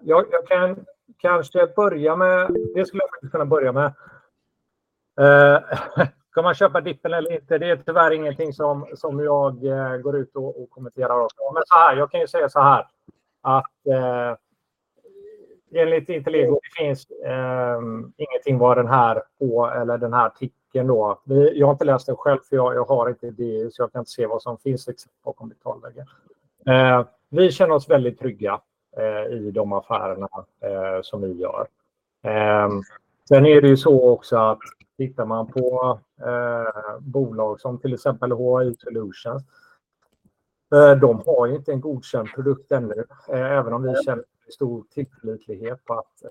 Jag kan kanske börja med det. Ska man köpa dippen eller inte? Det är tyvärr ingenting som jag går ut och kommenterar om. Såhär, jag kan säga att enligt Intelligo finns ingenting var den här artikeln då. Jag har inte läst den själv, för jag har inte ID, så jag kan inte se vad som finns exakt bakom betalväggen. Vi känner oss väldigt trygga i de affärerna som vi gör. Sen är det ju så också att tittar man på bolag som till exempel HI Solutions, de har inte en godkänd produkt ännu, även om vi känner stor tillförlitlighet på att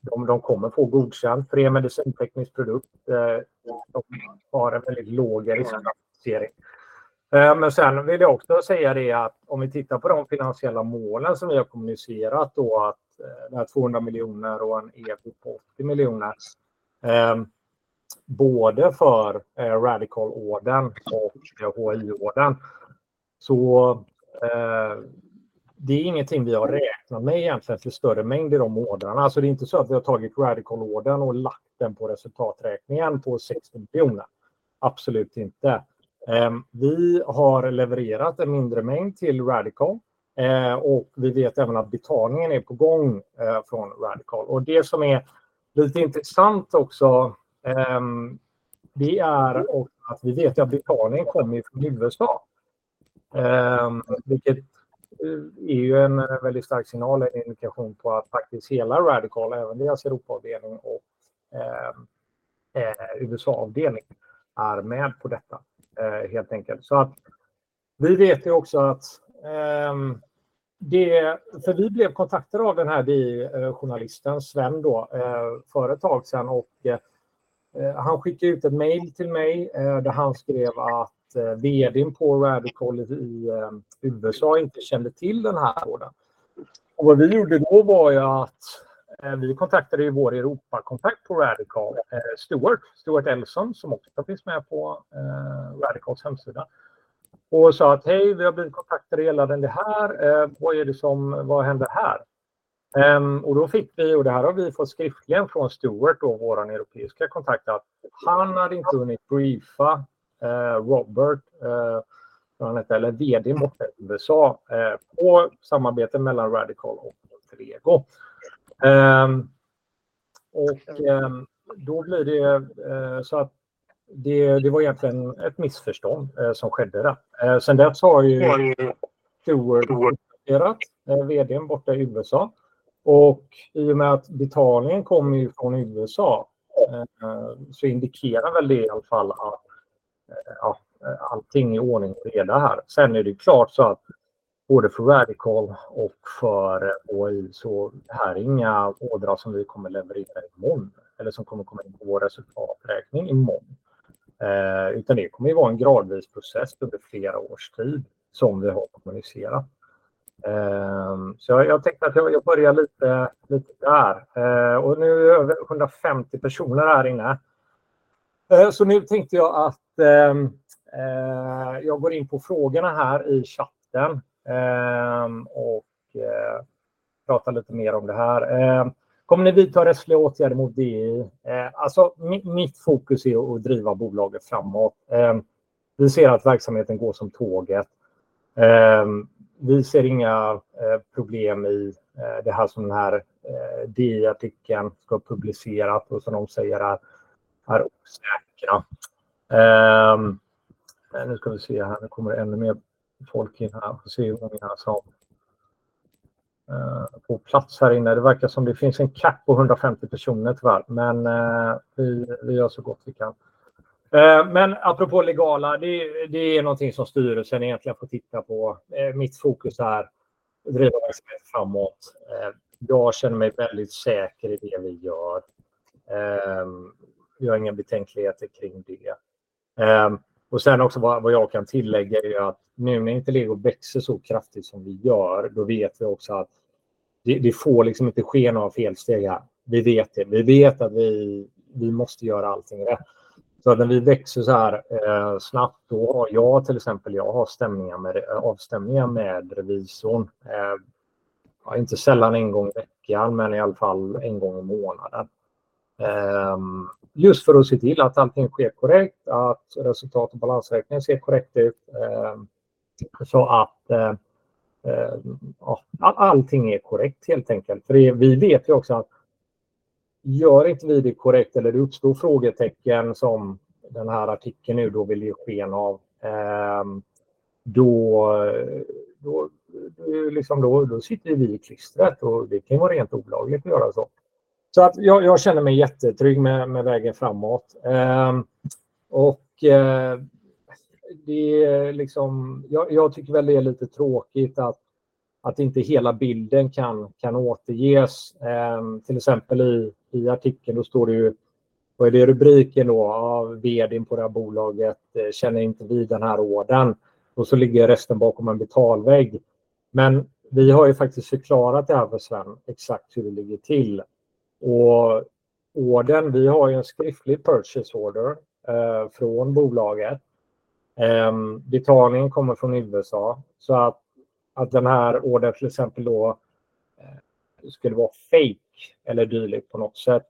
de kommer få godkänd för en medicinteknisk produkt. De har en väldigt låg risk för placering. Men sen vill jag också säga det att om vi tittar på de finansiella målen som vi har kommunicerat, att det här 200 miljoner och 180 miljoner, både för Radical-ordern och HI-ordern, så det är ingenting vi har räknat med egentligen för större mängd i de ordrarna. Det är inte så att vi har tagit Radical-ordern och lagt den på resultaträkningen på sex miljoner. Absolut inte. Vi har levererat en mindre mängd till Radical, och vi vet även att betalningen är på gång från Radical. Det som är lite intressant också är att vi vet att betalningen kommer från USA, vilket är ju en väldigt stark signal och indikation på att faktiskt hela Radical, även deras Europaavdelning och USA-avdelning, är med på detta, helt enkelt. Så att vi vet ju också att det... Vi blev kontaktade av den här journalisten, Sven, för ett tag sedan och han skickade ut ett mejl till mig där han skrev att vd:n på Radical i USA inte kände till den här ordern. Vad vi gjorde då var att vi kontaktade vår Europakontakt på Radical, Stuart Elson, som också finns med på Radicals hemsida, och sa att: "Hej, vi har blivit kontaktade gällande det här. Vad händer här?" Vi fick, och det här har vi fått skriftligen från Stuart, vår europeiska kontakt, att han inte hade hunnit briefa Robert, vd:n i USA, på samarbetet mellan Radical och Trego. Det var egentligen ett missförstånd som skedde där. Sedan dess har Stuart kontaktat VD:n borta i USA och i och med att betalningen kommer från USA, så indikerar det i alla fall att allting är i ordning och reda här. Sen är det klart att både för Radical och för HI, det här är inga ordrar som vi kommer leverera imorgon eller som kommer att komma in på vår resultaträkning imorgon, utan det kommer att vara en gradvis process under flera års tid, som vi har kommunicerat. Jag tänkte att jag börjar lite där. Nu är vi över 150 personer här inne, så nu tänkte jag att jag går in på frågorna här i chatten och pratar lite mer om det här. Kommer ni vidta rättsliga åtgärder mot DI? Mitt fokus är att driva bolaget framåt. Vi ser att verksamheten går som tåget. Vi ser inga problem i det här som den här DI-artikeln ska ha publicerat och som de säger här. Nu ska vi se här, det kommer ännu mer folk in här. Får se om vi har plats här inne. Det verkar som det finns en cap på hundrafemtio personer tyvärr, men vi gör så gott vi kan. Apropå legala, det är någonting som styrelsen egentligen får titta på. Mitt fokus är att driva framåt. Jag känner mig väldigt säker i det vi gör. Jag har inga betänkligheter kring det. Sedan också vad jag kan tillägga är ju att nu när Intellego växer så kraftigt som vi gör, då vet vi också att vi får liksom inte ske några felsteg här. Vi vet det. Vi vet att vi måste göra allting rätt. När vi växer såhär snabbt har jag till exempel avstämningar med revisorn, inte sällan en gång i veckan, men i alla fall en gång i månaden, just för att se till att allting sker korrekt, att resultat- och balansräkningen ser korrekt ut, så att allting är korrekt helt enkelt. Vi vet ju också att gör inte vi det korrekt, eller det uppstår frågetecken som den här artikeln nu vill ge sken av, då sitter vi i klistret och det kan vara rent olagligt att göra så. Jag känner mig jättetrygg med vägen framåt. Det är liksom, jag tycker väl det är lite tråkigt att inte hela bilden kan återges. Till exempel, i artikeln står det ju, vad är det i rubriken då? Att VD:n på det här bolaget känner inte vid den här ordern, och så ligger resten bakom en betalvägg. Men vi har ju faktiskt förklarat det här för Sven exakt hur det ligger till. Och ordern, vi har ju en skriftlig purchase order från bolaget. Betalningen kommer från USA, så att den här ordern till exempel skulle vara fake eller dylikt på något sätt,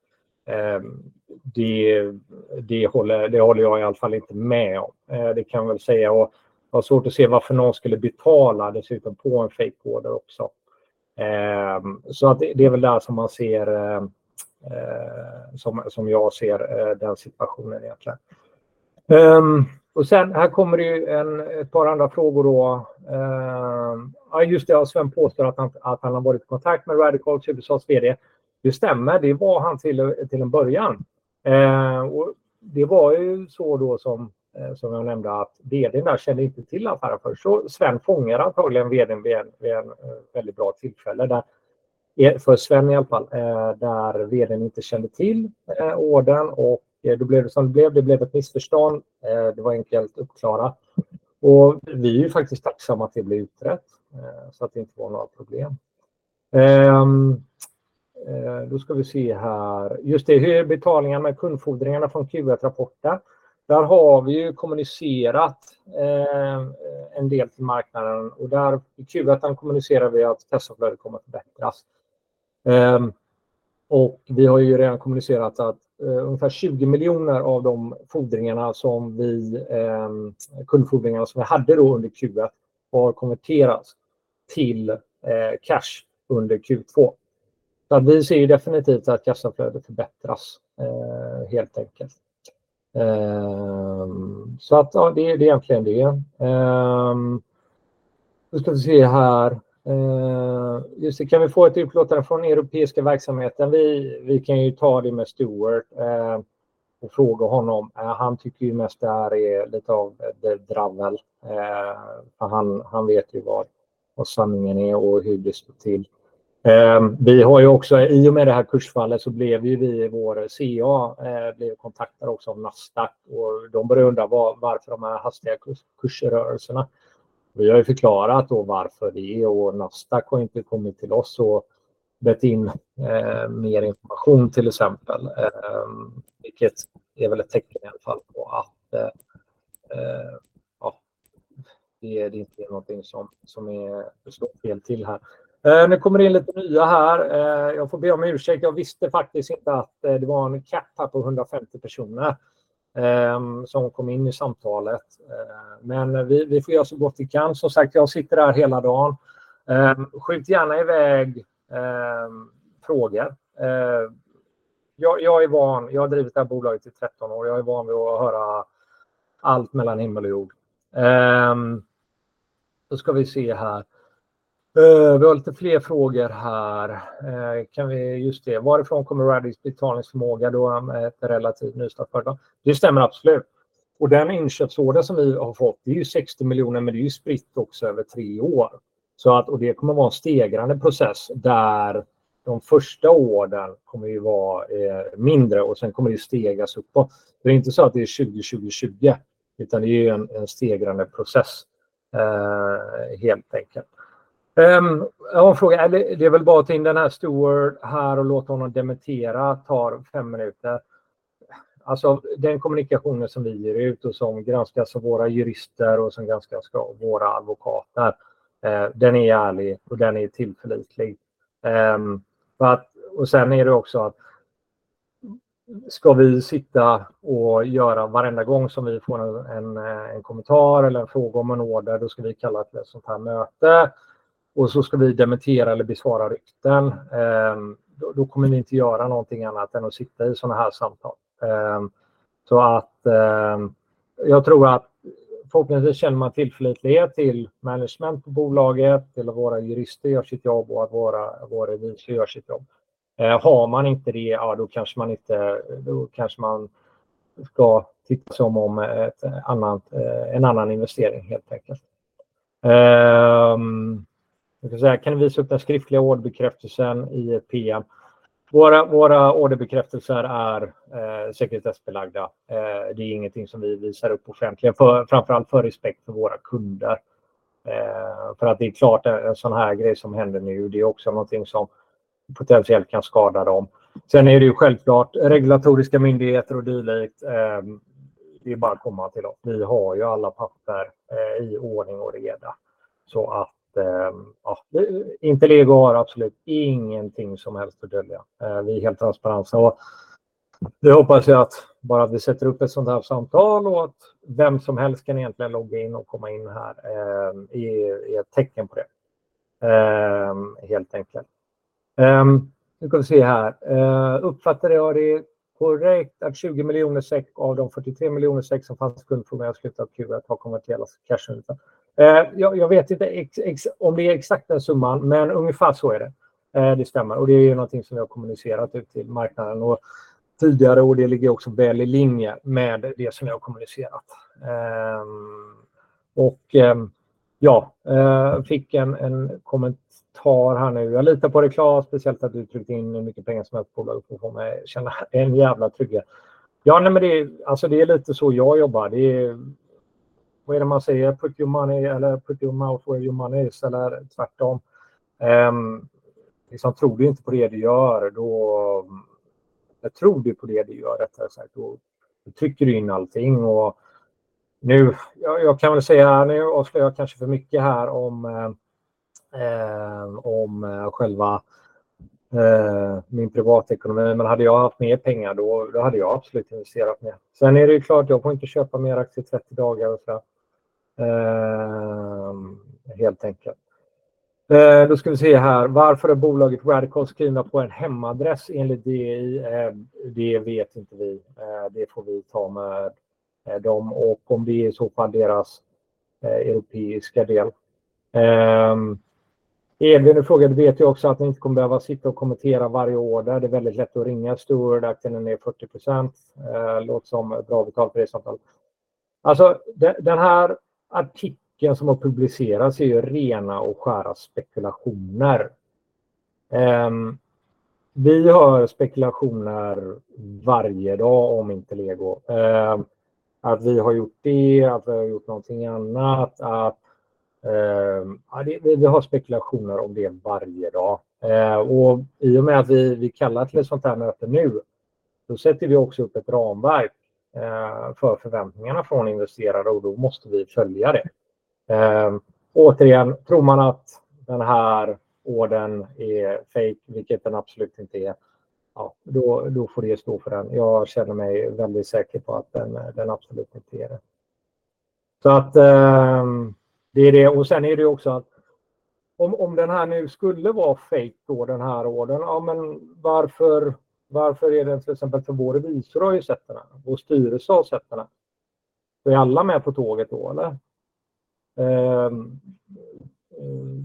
det håller jag i alla fall inte med om. Det kan jag väl säga, och jag har svårt att se varför någon skulle betala dessutom på en fake order också. Det är väl det här som man ser, som jag ser den situationen egentligen. Och sen här kommer det ju ett par andra frågor då. Sven påstår att han har varit i kontakt med Radical USA:s VD. Det stämmer, det var han till en början. Det var ju så då som jag nämnde, att VD:n inte kände till affären först. Sven fångade antagligen VD:n vid ett väldigt bra tillfälle för Sven i alla fall, där VD:n inte kände till ordern, och då blev det som det blev. Det blev ett missförstånd, det var enkelt uppklarat. Vi är ju faktiskt tacksamma att det blev utrett, så att det inte var några problem. Hur är betalningen med kundfordringarna från Q1-rapporten? Där har vi ju kommunicerat en del till marknaden, och i Q1:an kommunicerar vi att kassaflödet kommer att förbättras. Vi har ju redan kommunicerat att ungefär 20 miljoner av de fordringarna, kundfordringar som vi hade under Q1, har konverterats till cash under Q2. Vi ser ju definitivt att kassaflödet förbättras, helt enkelt. Det är egentligen det. Kan vi få ett utlåtande från europeiska verksamheten? Vi kan ju ta det med Stuart och fråga honom. Han tycker ju mest det här är lite av dravell. Han vet ju vad sanningen är och hur det står till. Vi har ju också, i och med det här kursfallet, blivit kontaktade av Nasdaq, och de började undra varför de här hastiga kursrörelserna. Vi har förklarat varför det är, och Nasdaq har inte kommit till oss och bett om mer information, vilket är ett tecken på att det inte är någonting som slår fel här. Nu kommer det in lite nya här. Jag får be om ursäkt. Jag visste faktiskt inte att det var en kapp här på hundrafemtio personer som kom in i samtalet. Vi får göra så gott vi kan. Som sagt, jag sitter här hela dagen. Skjut gärna i väg frågor. Jag är van, jag har drivit det här bolaget i tretton år. Jag är van vid att höra allt mellan himmel och jord. Vi har lite fler frågor här. Kan vi, just det, varifrån kommer Radis betalningsförmåga med ett relativt nystartat företag? Det stämmer absolut. Inköpsordern som vi har fått är sextio miljoner, men det är spritt över tre år. Det kommer att vara en stegrande process där de första ordern kommer vara mindre och sen kommer det stegas uppåt. Det är inte så att det är tjugo, tjugo, tjugo, utan det är en stegrande process, helt enkelt. Jag har en fråga. Det är väl bara att ta in Stuart här och låta honom dementera, tar fem minuter. Den kommunikationen som vi ger ut och som granskas av våra jurister och som granskas av våra advokater, den är ärlig och den är tillförlitlig. Det är också att ska vi sitta och göra varenda gång som vi får en kommentar eller en fråga om en order, då ska vi kalla ett sådant här möte och så ska vi dementera eller besvara rykten. Då kommer ni inte göra någonting annat än att sitta i sådana här samtal. Jag tror att förhoppningsvis känner man tillförlitlighet till management på bolaget eller våra jurister gör sitt jobb och att vår revisor gör sitt jobb. Har man inte det, ja, då kanske man inte... Då kanske man ska tycka som om en annan investering, helt enkelt. Kan du visa upp den skriftliga orderbekräftelsen i ett PM? Våra orderbekräftelser är sekretessbelagda. Det är ingenting som vi visar upp offentligen, framför allt för respekt för våra kunder. Det är klart att en sådan här grej som händer nu också är någonting som potentiellt kan skada dem. Sen är det ju självklart regulatoriska myndigheter och dylikt, det är bara att komma till oss. Vi har ju alla papper i ordning och reda, så att ja, Intellego har absolut ingenting som helst att dölja. Vi är helt transparenta och det hoppas jag att bara vi sätter upp ett sådant här samtal, och att vem som helst kan egentligen logga in och komma in här, är ett tecken på det, helt enkelt. Nu ska vi se här. Uppfattar jag det korrekt att SEK 20 miljoner av de SEK 43 miljoner som fanns i skuld från slutet av Q1 har konverterats till cash? Jag vet inte om det är den exakta summan, men ungefär så är det. Det stämmer och det är ju någonting som vi har kommunicerat ut till marknaden tidigare, och det ligger också väl i linje med det som vi har kommunicerat. Fick en kommentar här nu: "Jag litar på dig Claes, speciellt att du tryckt in mycket pengar som ett bolag och får mig känna en jävla trygghet." Nej, men det är lite så jag jobbar. Vad är det man säger? Put your money where your mouth is, eller tvärtom. Tror du på det du gör, rättare sagt, då trycker du in allting. Nu kan jag väl säga, nu avslöjar jag kanske för mycket här om min privatekonomi, men hade jag haft mer pengar, då hade jag absolut investerat mer. Sen är det ju klart, jag får inte köpa mer aktier i trettio dagar och så. Helt enkelt. Då ska vi se här: Varför är bolaget Radikal skrivna på en hemadress enligt DI? Det vet inte vi. Det får vi ta med dem och om vi i så fall deras europeiska del. Edwin har frågat, det vet jag också, att ni inte kommer behöva sitta och kommentera varje order. Det är väldigt lätt att ringa. Storaktien är ner 40%. Låter som ett bra vokalprissamtal. Den här artikeln som har publicerats är ju rena och skära spekulationer. Vi har spekulationer varje dag om inte Lego. Att vi har gjort det, att vi har gjort någonting annat, ja, vi har spekulationer om det varje dag. I och med att vi kallar till ett sådant här möte nu, sätter vi också upp ett ramverk för förväntningarna från investerare, och då måste vi följa det. Återigen, tror man att den här ordern är fake, vilket den absolut inte är, ja, då får det ju stå för den. Jag känner mig väldigt säker på att den absolut inte är det. Det är det. Och sen är det också att om den här nu skulle vara fake då, den här ordern, ja men varför? Varför är det till exempel, för vår revisor har ju sett den? Vår styrelse har sett den. Då är alla med på tåget då, eller?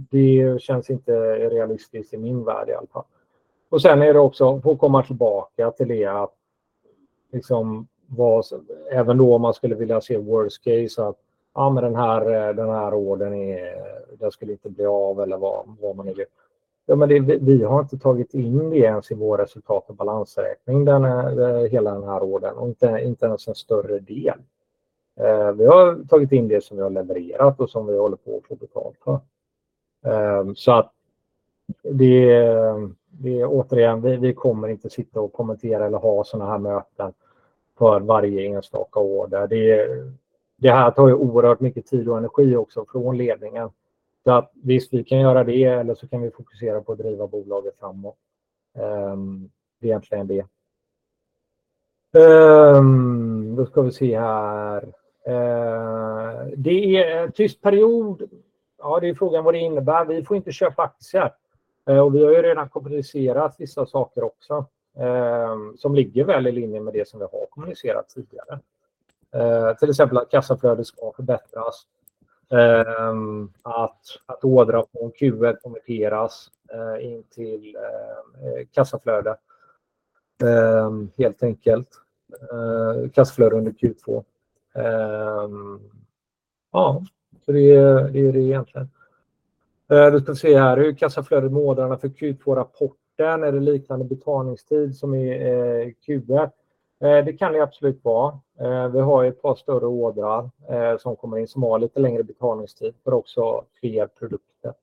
Det känns inte realistiskt i min värld i alla fall. För att komma tillbaka till det, vad som händer om man skulle vilja se worst case, att den här ordern inte skulle bli av eller vad man nu vill. Vi har inte tagit in det ens i vår resultat- och balansräkning, hela den här ordern, och inte ens en större del. Vi har tagit in det som vi har levererat och som vi håller på att få betalt för. Det är återigen, vi kommer inte sitta och kommentera eller ha sådana här möten för varje enstaka order. Det här tar oerhört mycket tid och energi också från ledningen. Visst, vi kan göra det, eller så kan vi fokusera på att driva bolaget framåt. Det är egentligen det. Det är tyst period. Frågan är vad det innebär. Vi får inte köpa aktier och vi har ju redan kommunicerat vissa saker också, som ligger väl i linje med det som vi har kommunicerat tidigare. Till exempel att kassaflödet ska förbättras, att ordrar från Q1 konverteras in till kassaflöde under Q2. Hur kassaflödet med ordrarna för Q2-rapporten? Är det liknande betalningstid som i Q1? Det kan det absolut vara. Vi har ett par större ordrar som kommer in som har lite längre betalningstid, men också fler produkter.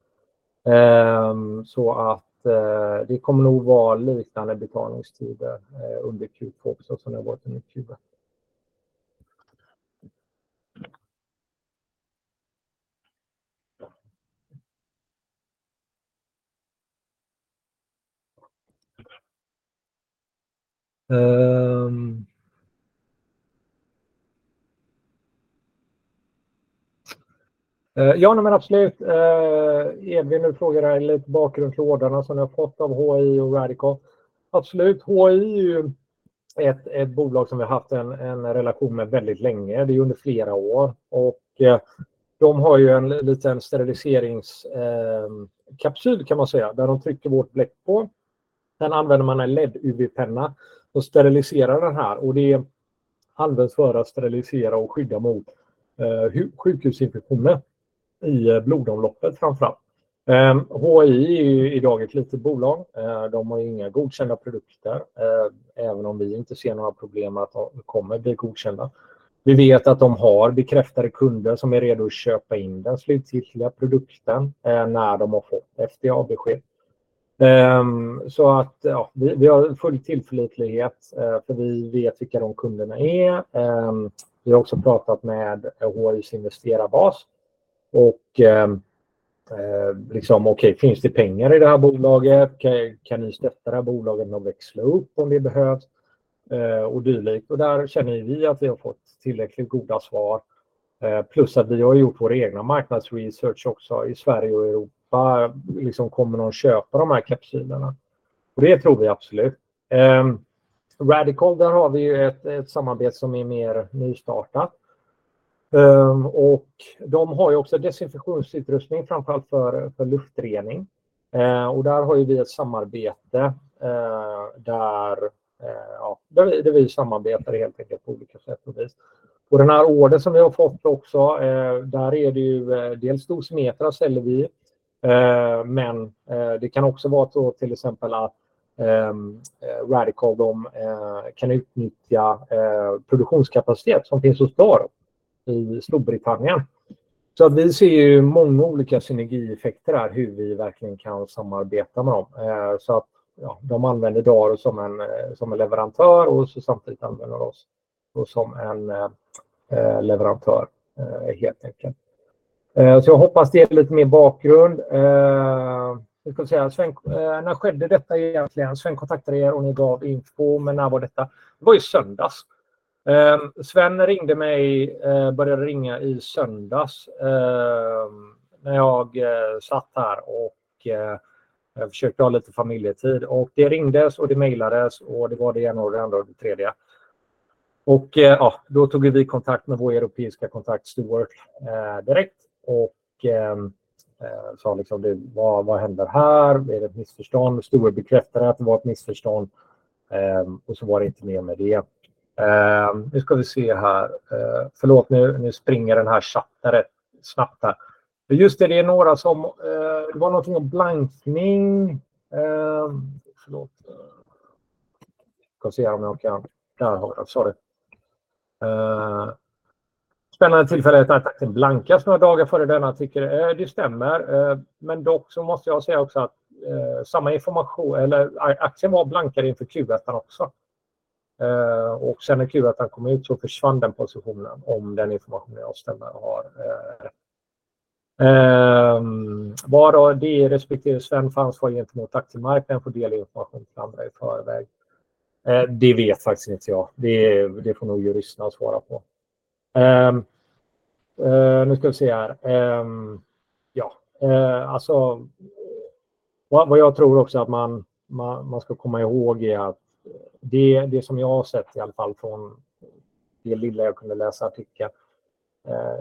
Det kommer nog vara liknande betalningstider under Q2 också, som det har varit under Q1. Ja, men absolut. Edwin, du frågar lite bakgrund till ordrarna som vi har fått av HI och Radiko. Absolut, HI är ett bolag som vi haft en relation med väldigt länge, det är under flera år, och de har en liten steriliseringskapsyl, kan man säga, där de trycker vårt bläck på. Den använder man en LED-UV-penna och steriliserar, och det används för att sterilisera och skydda mot sjukhusinfektioner i blodomloppet, framför allt. HI är i dag ett litet bolag. De har inga godkända produkter, även om vi inte ser några problem med att de kommer bli godkända. Vi vet att de har bekräftade kunder som är redo att köpa in den slutgiltiga produkten när de har fått FDA-besked. Ja, vi har full tillförlitlighet, för vi vet vilka de kunderna är. Vi har också pratat med HIs investerarbas och, liksom, okej, finns det pengar i det här bolaget? Kan ni stötta det här bolaget med att växa upp om det behövs? Och dylikt. Där känner vi att vi har fått tillräckligt goda svar. Plus att vi har gjort vår egen marknadsresearch också i Sverige och Europa. Liksom, kommer någon att köpa de här kapsylerna? Det tror vi absolut. Radikal, där har vi ett samarbete som är mer nystartat. De har ju också desinfektionsutrustning, framförallt för luftrening. Där har vi ett samarbete där vi samarbetar helt enkelt på olika sätt och vis. Den här ordern som vi har fått också, där är det ju dels Dosimetra säljer vi.... Det kan också vara så, till exempel, att Radical kan utnyttja produktionskapacitet som finns hos Doro i Storbritannien. Vi ser ju många olika synergieffekter här, hur vi verkligen kan samarbeta med dem. De använder Doro som en leverantör och samtidigt använder de oss som en leverantör, helt enkelt. Jag hoppas det ger lite mer bakgrund. Sven, när skedde detta egentligen? Sven kontaktade er och ni gav info, men när var detta? Det var i söndags. Sven ringde mig, började ringa i söndags, när jag satt här och försökte ha lite familjetid, och det ringdes och det mejlades och det var det ena och det andra, det tredje. Då tog vi kontakt med vår europeiska kontakt, Stuart, direkt och sa liksom: "Vad händer här? "Är det ett missförstånd?" Stuart bekräftade att det var ett missförstånd, och så var det inte mer med det. Nu ska vi se här. Förlåt, nu springer den här chatten rätt snabbt här. Just det, det är några som, det var något om blankning. Förlåt. Ska se om jag kan... Ja, sorry. Spännande tillfället att aktien blankas några dagar före denna artikel. Det stämmer, men dock så måste jag säga också att samma information, eller aktien var blank innan Q1 också. Och sen när Q1 kom ut så försvann den positionen, om den informationen jag stämmer har. Vad då det respektive Sven fanns gentemot aktiemarknaden för att dela information till andra i förväg? Det vet faktiskt inte jag. Det får nog juristen svara på. Nu ska vi se här. Alltså, vad jag tror också att man ska komma ihåg är att det som jag har sett, i alla fall från det lilla jag kunde läsa artikeln,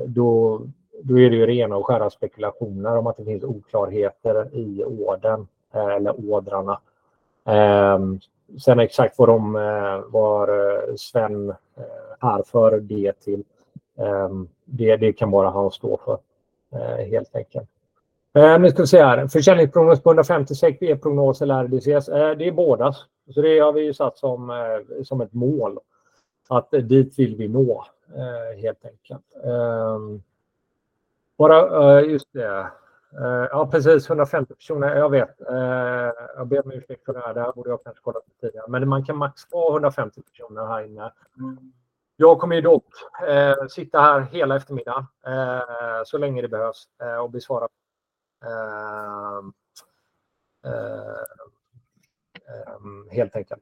då är det ju rena och skära spekulationer om att det finns oklarheter i ordern eller ordrarna. Sen exakt vad de, var Sven anför det till, det kan bara han stå för, helt enkelt. Nu ska vi se här. Försäljningsprognos på 150, sex är prognos eller RDCS? Det är båda. Det har vi ju satt som ett mål, att dit vill vi nå, helt enkelt. Bara just det, ja, precis, 150 personer. Jag vet, jag ber om ursäkt för det här, det här borde jag kanske kollat tidigare, men man kan max vara 150 personer här inne. Jag kommer dock sitta här hela eftermiddagen, så länge det behövs, och besvara helt enkelt.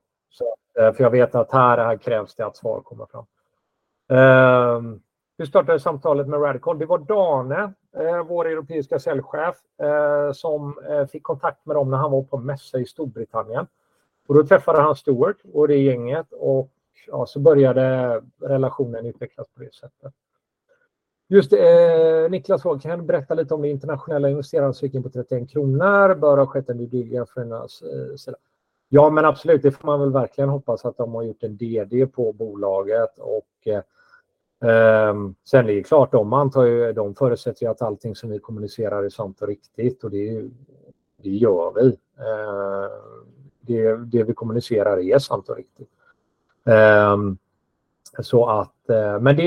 Jag vet att här krävs det att svar kommer fram. Hur startade samtalet med Radical? Det var Dane, vår europeiska säljchef, som fick kontakt med dem när han var på mässa i Storbritannien. Då träffade han Stuart och det gänget och ja, så började relationen utvecklas på det sättet. Just det, Niklas frågar: "Kan du berätta lite om det internationella investerarens cykeln på SEK 31? Bör ha skett en due diligence för den saken." Ja, men absolut, det får man väl verkligen hoppas att de har gjort en DD på bolaget. Sen det är klart, de förutsätter att allting som vi kommunicerar är sant och riktigt, och det gör vi. Det vi kommunicerar är sant och riktigt.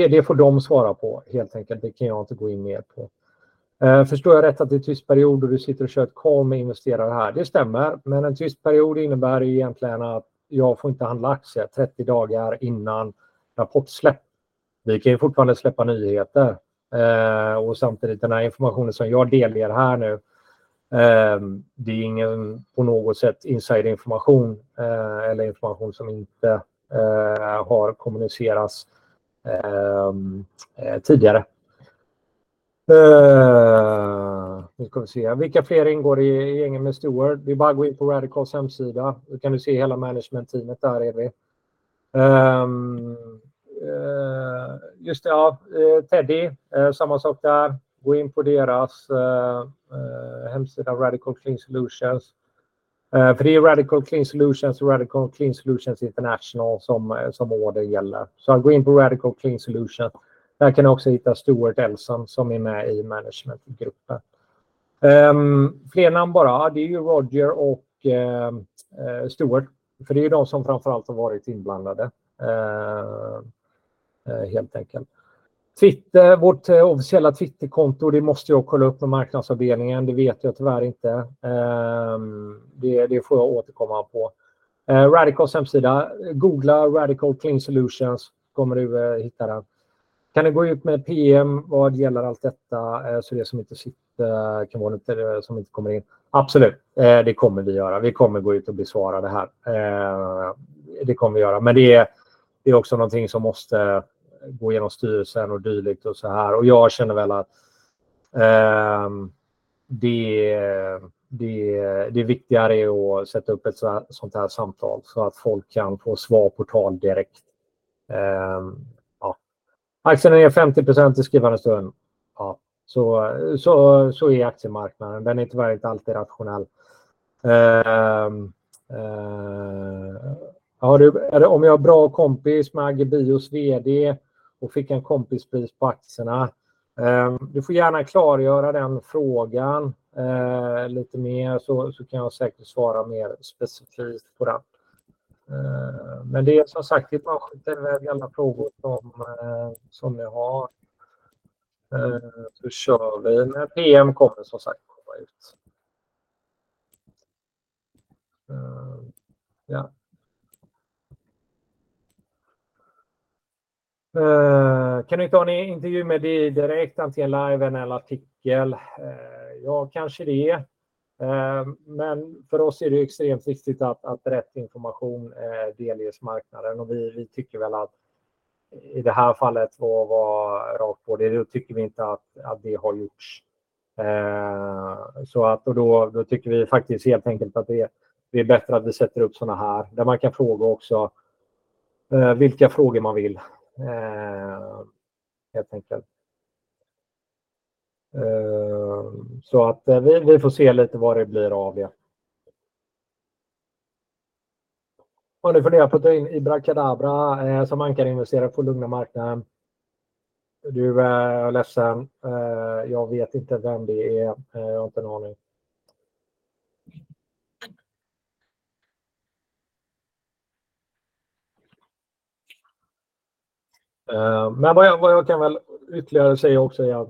Det får de svara på, helt enkelt. Det kan jag inte gå in mer på. Förstår jag rätt, att det är tyst period och du sitter och kör call med investerare här? Det stämmer, men en tyst period innebär ju egentligen att jag får inte handla aktier trettio dagar innan rapportsläpp. Vi kan ju fortfarande släppa nyheter, och samtidigt den här informationen som jag delger här nu, det är ingen på något sätt inside information, eller information som inte har kommunicerats tidigare. Vilka fler ingår i gänget med Stuart? Det är bara att gå in på Radicals hemsida. Då kan du se hela management teamet, där är vi. Teddy, samma sak där. Gå in på deras hemsida, Radical Clean Solutions. Det är Radical Clean Solutions, Radical Clean Solutions International som ordern gäller. Gå in på Radical Clean Solutions. Där kan du också hitta Stuart Elson, som är med i managementgruppen. Fler namn? Det är Roger och Stuart, för det är de som framför allt har varit inblandade. Vårt officiella Twitterkonto måste jag kolla upp med marknadsavdelningen. Det vet jag tyvärr inte, det får jag återkomma på. Googla Radical Clean Solutions, kommer du hitta hemsidan. Kan du gå ut med PM? Vad gäller allt detta, så det som inte sitter, som inte kommer in. Absolut, det kommer vi göra. Vi kommer gå ut och besvara det här, men det är också någonting som måste gå igenom styrelsen och dylikt. Det viktigare är att sätta upp ett sådant här samtal så att folk kan få svar på tal direkt. Aktien är ner 50% i skrivande stund. Så är aktiemarknaden. Den är tyvärr inte alltid rationell. Om jag är bra kompis med Agge Bios VD och fick en kompispris på aktierna? Du får gärna klargöra den frågan lite mer, så kan jag säkert svara mer specifikt på den. Det är bara att skjuta iväg alla frågor som ni har. PM kommer som sagt vara ut. Kan du inte ha en intervju med dig direkt, antingen live eller en artikel? Ja, kanske det. För oss är det extremt viktigt att rätt information delges marknaden. Vi tycker väl att i det här fallet, för att vara rakt på det, tycker vi inte att det har gjorts. Så att då tycker vi faktiskt helt enkelt att det är bättre att vi sätter upp sådana här, där man kan fråga också vilka frågor man vill. Vi får se lite vad det blir av det. Har du funderat på att ta in Ibra Cadabra som ankarinvesterare på lugna marknaden? Jag är ledsen, jag vet inte vem det är. Jag har inte en aning. Vad jag kan ytterligare säga också är att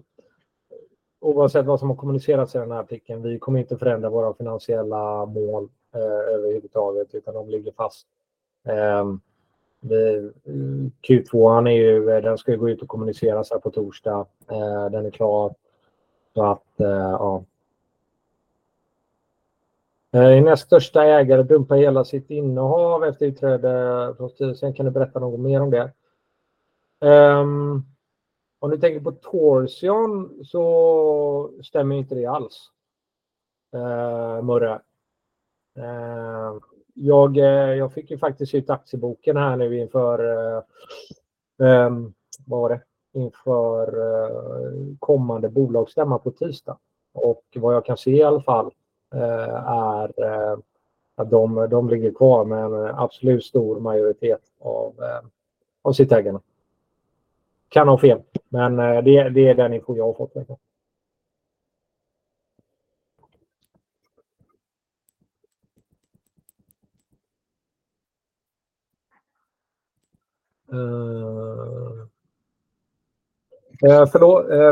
oavsett vad som har kommunicerats i den här artikeln, vi kommer inte att förändra våra finansiella mål överhuvudtaget, utan de ligger fast. Q2:an ska gå ut och kommuniceras här på torsdag. Den är klar. Er näst största ägare dumpar hela sitt innehav efter utträde från styrelsen. Kan du berätta något mer om det? Om du tänker på Torsion, så stämmer inte det alls, Murre. Jag fick faktiskt ut aktieboken här nu inför kommande bolagsstämma på tisdag. Vad jag kan se i alla fall är att de ligger kvar med en absolut stor majoritet av sitt ägande. Kan ha fel, men det är den info jag har fått i alla fall.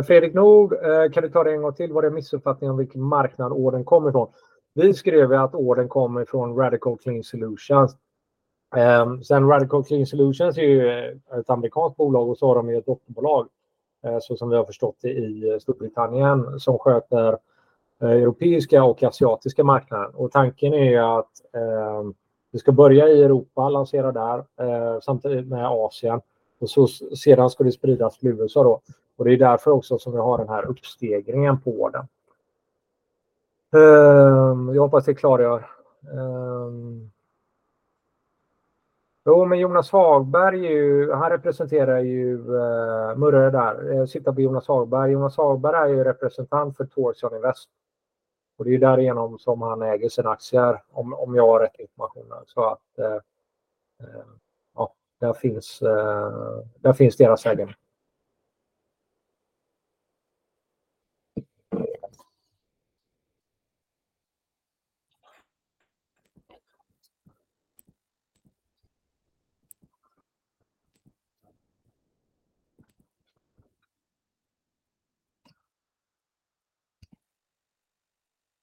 Fredrik Nord, kan du ta det en gång till? Var det missuppfattning om vilken marknad ordern kommer ifrån? Vi skrev ju att ordern kommer från Radical Clean Solutions. Radical Clean Solutions är ju ett amerikanskt bolag och så har de ju ett dotterbolag, som vi har förstått det, i Storbritannien, som sköter europeiska och asiatiska marknaden. Tanken är att vi ska börja i Europa, lansera där, samtidigt med Asien, och sedan ska det spridas till USA. Det är därför också som vi har den här uppstegringen på ordern. Jag hoppas det klargör. Jonas Hagberg representerar ju Murre där. Jonas Hagberg är ju representant för Torsion Invest och det är ju därigenom som han äger sina aktier, om jag har rätt information. Där finns deras ägare.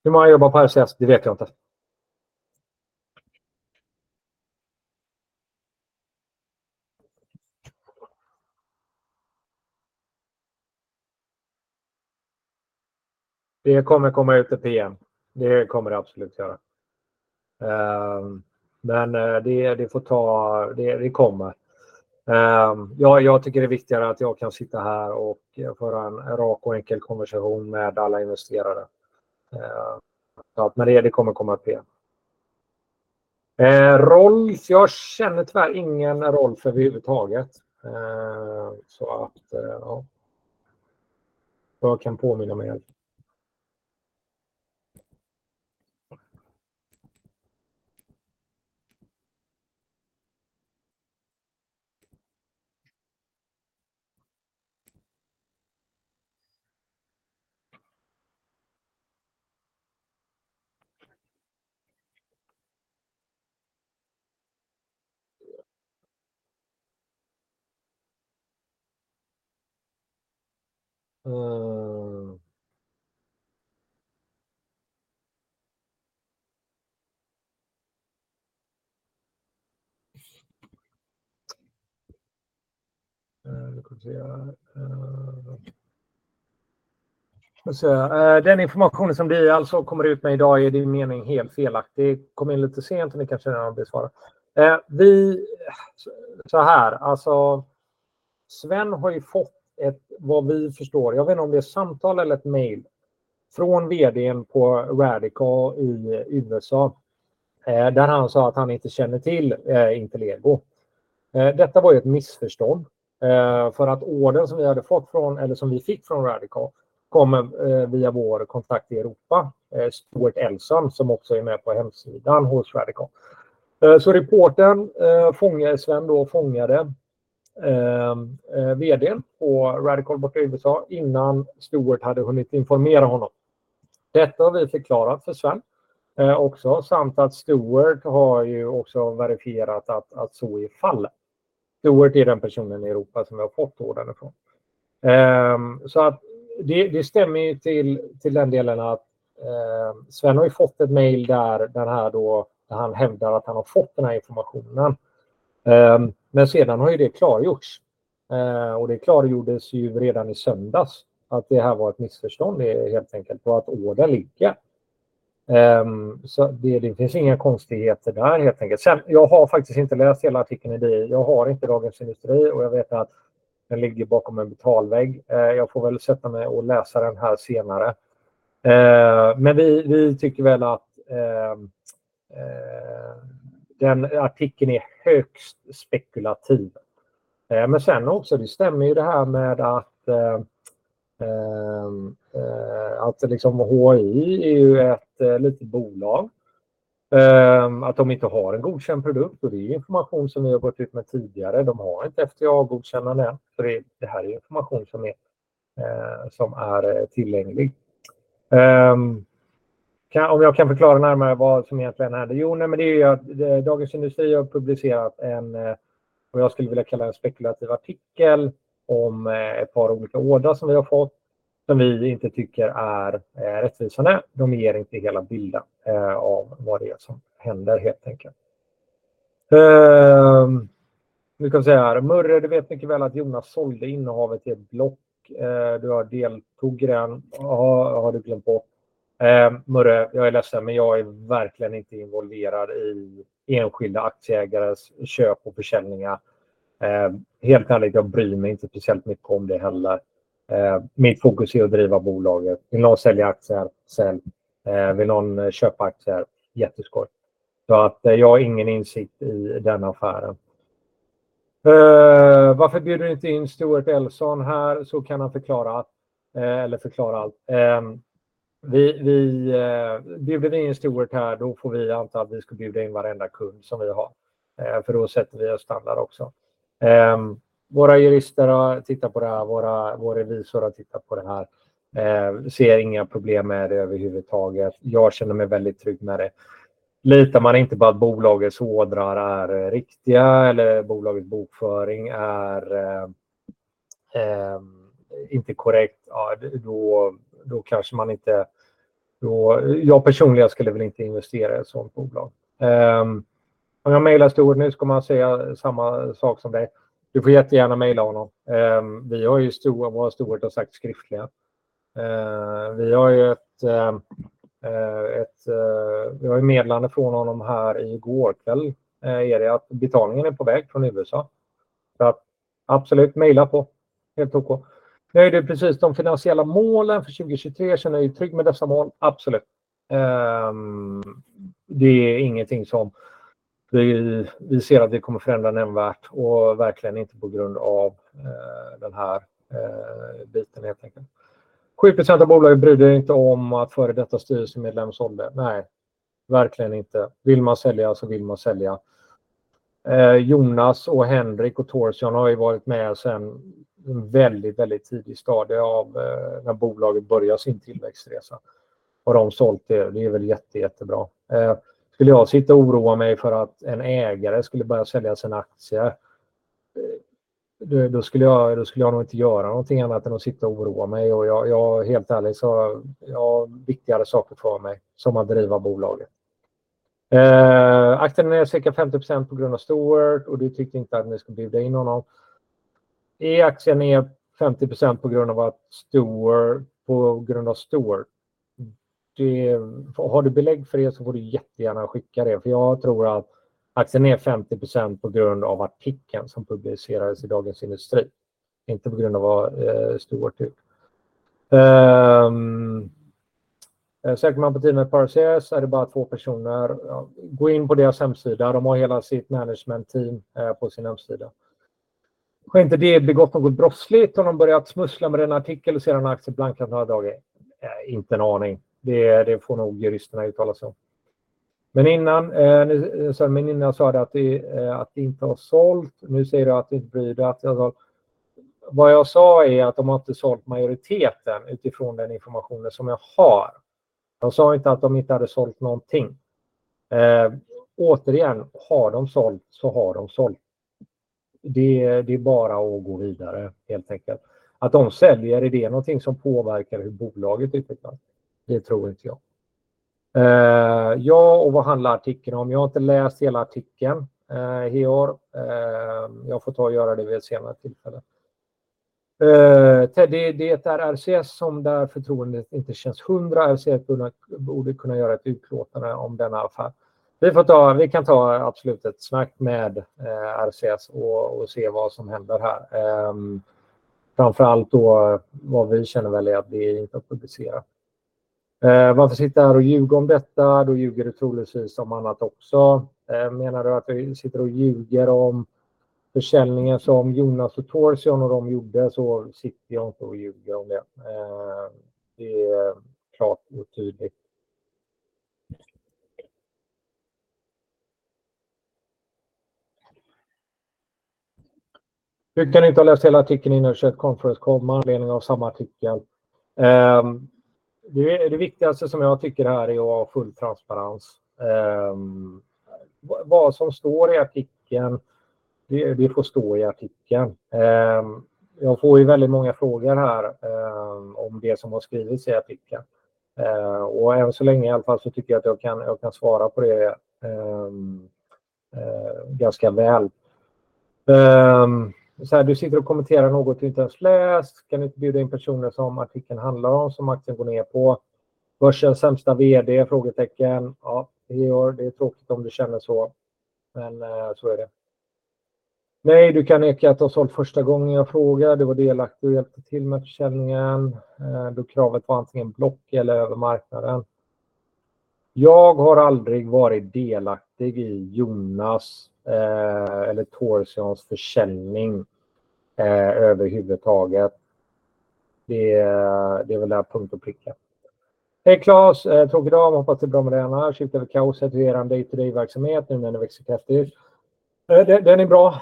Hur många jobbar på RCS? Det vet jag inte. Det kommer att komma ut i PM. Det kommer det absolut göra. Det får ta sin tid, det kommer. Jag tycker det är viktigare att jag kan sitta här och föra en rak och enkel konversation med alla investerare. Det kommer att komma ett PM. Jag känner tyvärr ingen Rolf överhuvudtaget. Jag kan påminna mig. Den informationen som vi alltså kommer ut med i dag är i din mening helt felaktig. Kom in lite sent, och ni kanske redan har besvarat. Sven har fått, vad vi förstår, ett samtal eller ett mejl från VD:n på Radica i USA, där han sa att han inte känner till Intel Lego. Detta var ett missförstånd, för att ordern som vi fick från Radikal kommer via vår kontakt i Europa, Stuart Elson, som också är med på hemsidan hos Radikal. Reportern fångade VD:n på Radikal borta i USA innan Stuart hade hunnit informera honom. Detta har vi förklarat för Sven, samt att Stuart har också verifierat att så är fallet. Stuart är den personen i Europa som vi har fått ordern ifrån. Det stämmer ju till den delen att Sven har ju fått ett mail där han hävdar att han har fått den här informationen. Sedan har ju det klargjorts, och det klargjordes ju redan i söndags att det här var ett missförstånd, helt enkelt på att ordern ligger. Det finns inga konstigheter där, helt enkelt. Jag har faktiskt inte läst hela artikeln i DI. Jag har inte Dagens Industri och jag vet att den ligger bakom en betalväg. Jag får väl sätta mig och läsa den här senare. Vi tycker väl att den artikeln är högst spekulativ. Men sen också, det stämmer ju det här med att HAI är ju ett litet bolag, att de inte har en godkänd produkt och det är information som vi har gått ut med tidigare. De har inte FDA-godkännande än, så det här är information som är tillgänglig. Om jag kan förklara närmare vad som egentligen hände? Jo, men det är ju att Dagens Industri har publicerat en, vad jag skulle vilja kalla en spekulativ artikel om ett par olika ordrar som vi har fått, som vi inte tycker är rättvisande. De ger inte hela bilden av vad det är som händer, helt enkelt. Nu kan vi säga här: Murre, du vet mycket väl att Jonas sålde innehavet i ett block. Du deltog i den. Ja, det har du glömt på. Murre, jag är ledsen, men jag är verkligen inte involverad i enskilda aktieägares köp och försäljningar. Helt ärligt, jag bryr mig inte speciellt mycket om det heller. Mitt fokus är att driva bolaget. Vill någon sälja aktier, sälj. Vill någon köpa aktier? Jätteskoj. Jag har ingen insikt i den affären. Varför bjuder du inte in Stuart Elson här? Så kan han förklara allt. Vi bjuder vi in Stuart här, då får vi anta att vi ska bjuda in varenda kund som vi har, för då sätter vi oss standard också. Våra jurister har tittat på det här, vår revisor har tittat på det här. Ser inga problem med det överhuvudtaget. Jag känner mig väldigt trygg med det. Litar man inte på att bolagets ordrar är riktiga eller bolagets bokföring är inte korrekt, då kanske man inte... Då skulle jag personligen väl inte investera i ett sådant bolag. Om jag mejlar Stuart, nu ska man säga samma sak som dig. Du får jättegärna mejla honom. Vi har ju vad Stuart har sagt skriftliga. Vi har ett meddelande från honom här i går kväll, att betalningen är på väg från USA. Absolut, mejla på! Helt okej. Nej, det är precis de finansiella målen för 2023. Känner du dig trygg med dessa mål? Absolut. Det är ingenting som vi ser att det kommer förändra nämnvärt och verkligen inte på grund av den här biten helt enkelt. 7% av bolaget bryr dig inte om att före detta styrelsemedlem sålde. Nej, verkligen inte. Vill man sälja så vill man sälja. Jonas och Henrik och Torsten har ju varit med sedan en väldigt, väldigt tidig stadie av när bolaget började sin tillväxtresa. Och de har sålt, det är väl jättebra. Skulle jag sitta och oroa mig för att en ägare skulle börja sälja sina aktier? Då skulle jag nog inte göra någonting annat än att sitta och oroa mig. Jag är helt ärlig, så jag har viktigare saker för mig som att driva bolaget. Aktien är cirka 50% ner på grund av Stuart och du tyckte inte att ni skulle bjuda in honom. Är aktien ner 50% på grund av Stuart? Det... Har du belägg för det så får du jättegärna skicka det, för jag tror att aktien är 50% på grund av artikeln som publicerades i Dagens Industri, inte på grund av vad Stuart tycker. Söker man på teamet på RCS är det bara två personer. Gå in på deras hemsida. De har hela sitt management team på sin hemsida. Kanske inte det begått något brottsligt, har de börjat smussla med den artikeln sedan aktieblanka ett några dagar? Inte en aning. Det får nog juristerna uttala sig om. Men innan sa du att det inte har sålt. Nu säger du att du inte bryr dig. Vad jag sa är att de inte sålt majoriteten utifrån den informationen som jag har. Jag sa inte att de inte hade sålt någonting. Återigen, har de sålt så har de sålt. Det är bara att gå vidare, helt enkelt. Att de säljer, är det någonting som påverkar hur bolaget utvecklas? Det tror inte jag. Vad handlar artikeln om? Jag har inte läst hela artikeln, Heor. Jag får ta och göra det vid ett senare tillfälle. Det är ett RCS som där förtroendet inte känns hundra. RCS borde kunna göra ett utlåtande om den affären. Vi kan absolut ta ett snack med RCS och se vad som händer här. Framför allt då, vad vi känner väl är att vi inte kan publicera.... Varför sitter här och ljuga om detta? Då ljuger du troligtvis om annat också. Menar du att jag sitter och ljuger om försäljningen som Jonas och Torsion och de gjorde, så sitter jag inte och ljuger om det. Det är klart och tydligt. Du kan inte ha läst hela artikeln i Newscheck Conference med anledning av samma artikel. Det viktigaste som jag tycker här är att ha full transparens. Vad som står i artikeln, det får stå i artikeln. Jag får väldigt många frågor här om det som har skrivits i artikeln. Än så länge i alla fall så tycker jag att jag kan svara på det ganska väl. Du sitter och kommenterar något du inte ens läst. Kan du inte bjuda in personer som artikeln handlar om, som aktien går ner på? Börsens sämsta VD? Ja, det är tråkigt om du känner så, men så är det. Nej, du kan neka att ha sålt första gången jag frågade. Du var delaktig och hjälpte till med försäljningen. Då kravet var antingen block eller över marknaden. Jag har aldrig varit delaktig i Jonas, eller Torsions försäljning, överhuvudtaget. Det är väl det här punkt och pricka. Hej Claes! Trevlig dag och hoppas det är bra med dig. Skiftar kaoset i er day-to-day verksamhet nu när den växer kraftigt? Den är bra,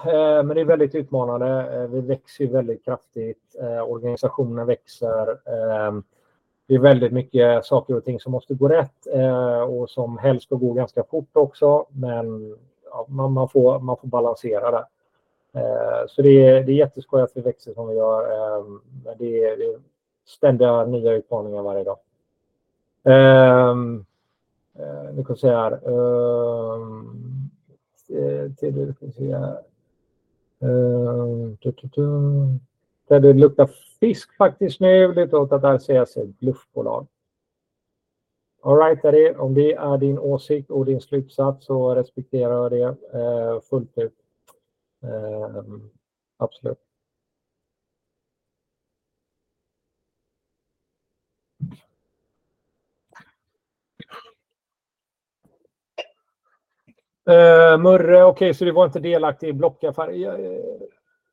men det är väldigt utmanande. Vi växer ju väldigt kraftigt, organisationen växer. Det är väldigt mycket saker och ting som måste gå rätt, och som helst ska gå ganska fort också, men ja, man får balansera det. Så det är jätteskönt att vi växer som vi gör, men det är ständiga nya utmaningar varje dag. Nu ska vi se här. Det luktar fisk faktiskt nu, lite åt att RC är ett bluffbolag. All right, om det är din åsikt och din slutsats, så respekterar jag det fullt ut. Absolut. Murre, okej, så du var inte delaktig i blockaffär?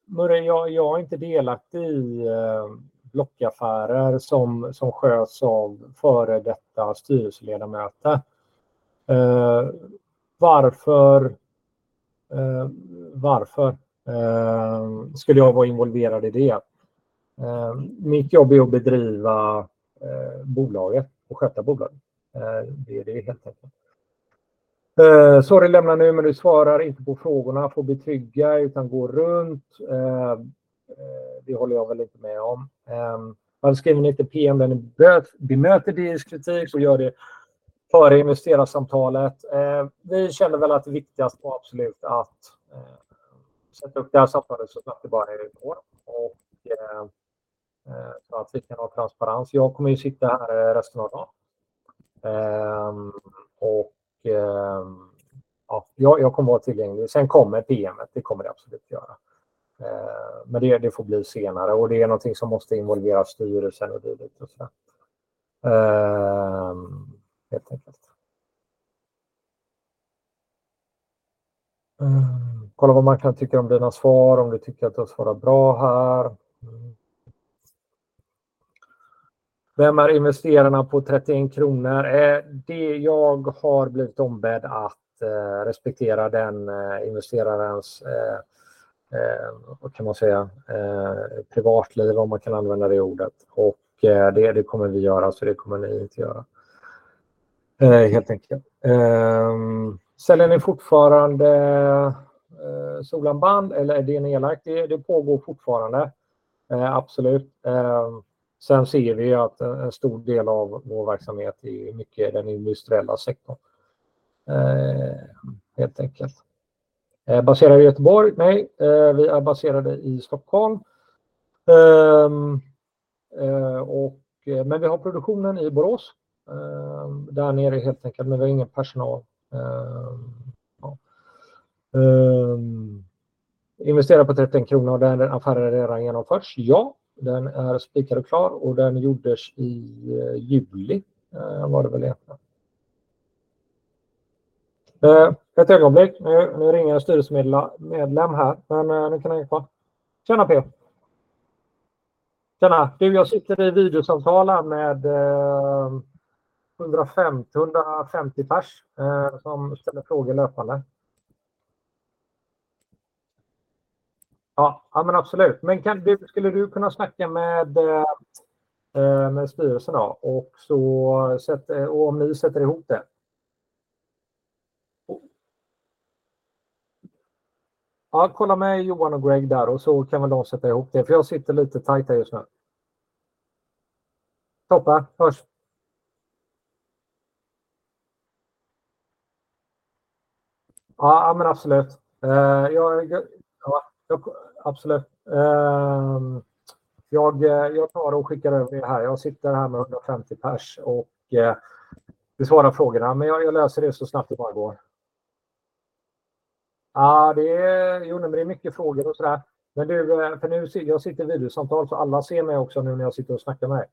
Murre, jag är inte delaktig i blockaffärer som sköts av före detta styrelseledamöter. Varför skulle jag vara involverad i det? Mitt jobb är att bedriva bolaget och sköta bolaget. Det är det helt enkelt. Sorry, lämna nu, men du svarar inte på frågorna, utan går runt. Det håller jag väl inte med om. Varför skriver ni inte PM när ni bemöter deras kritik och gör det före investerarsamtalet? Vi kände väl att det viktigaste var absolut att sätta upp det här samtalet så snabbt det bara går, så att vi kan ha transparens. Jag kommer ju sitta här resten av dagen, och ja, jag kommer vara tillgänglig. Sen kommer PM, det kommer det absolut göra, men det får bli senare och det är någonting som måste involvera styrelsen och dilet och så. Kolla vad marknaden tycker om dina svar, om du tycker att du har svarat bra här. Vem är investerarna på 30 kronor? Det, jag har blivit ombedd att respektera den investerarens privatliv, om man kan använda det ordet. Och det kommer vi göra, så det kommer ni inte göra. Säljer ni fortfarande Solan band eller är det en elakt? Det pågår fortfarande. Absolut. Sen ser vi ju att en stor del av vår verksamhet är mycket den industriella sektorn. Baserad i Göteborg? Nej, vi är baserade i Stockholm, men vi har produktionen i Borås. Där nere, men vi har ingen personal. Investerar på 30 kronor och den affären redan genomförts? Ja, den är spikad och klar och den gjordes i juli, var det väl egentligen. Ett ögonblick, nu ringer en styrelsemedlem här, men nu kan jag hänga på. Hej P! Hej, du jag sitter i videosamtal här med 150 pers som ställer frågor löpande. Ja, men absolut. Skulle du kunna snacka med styrelsen då? Om ni sätter ihop det. Ja, kolla med Johan och Greg där och så kan väl de sätta ihop det, för jag sitter lite tajt just nu. Toppen, hörs! Ja, men absolut. Absolut. Jag tar och skickar över det här. Jag sitter här med 150 pers och besvarar frågorna, men jag löser det så snabbt det bara går. Ja, det är mycket frågor och sådär. Men du, för nu, jag sitter i videosamtal så alla ser mig också nu när jag sitter och snackar med dig.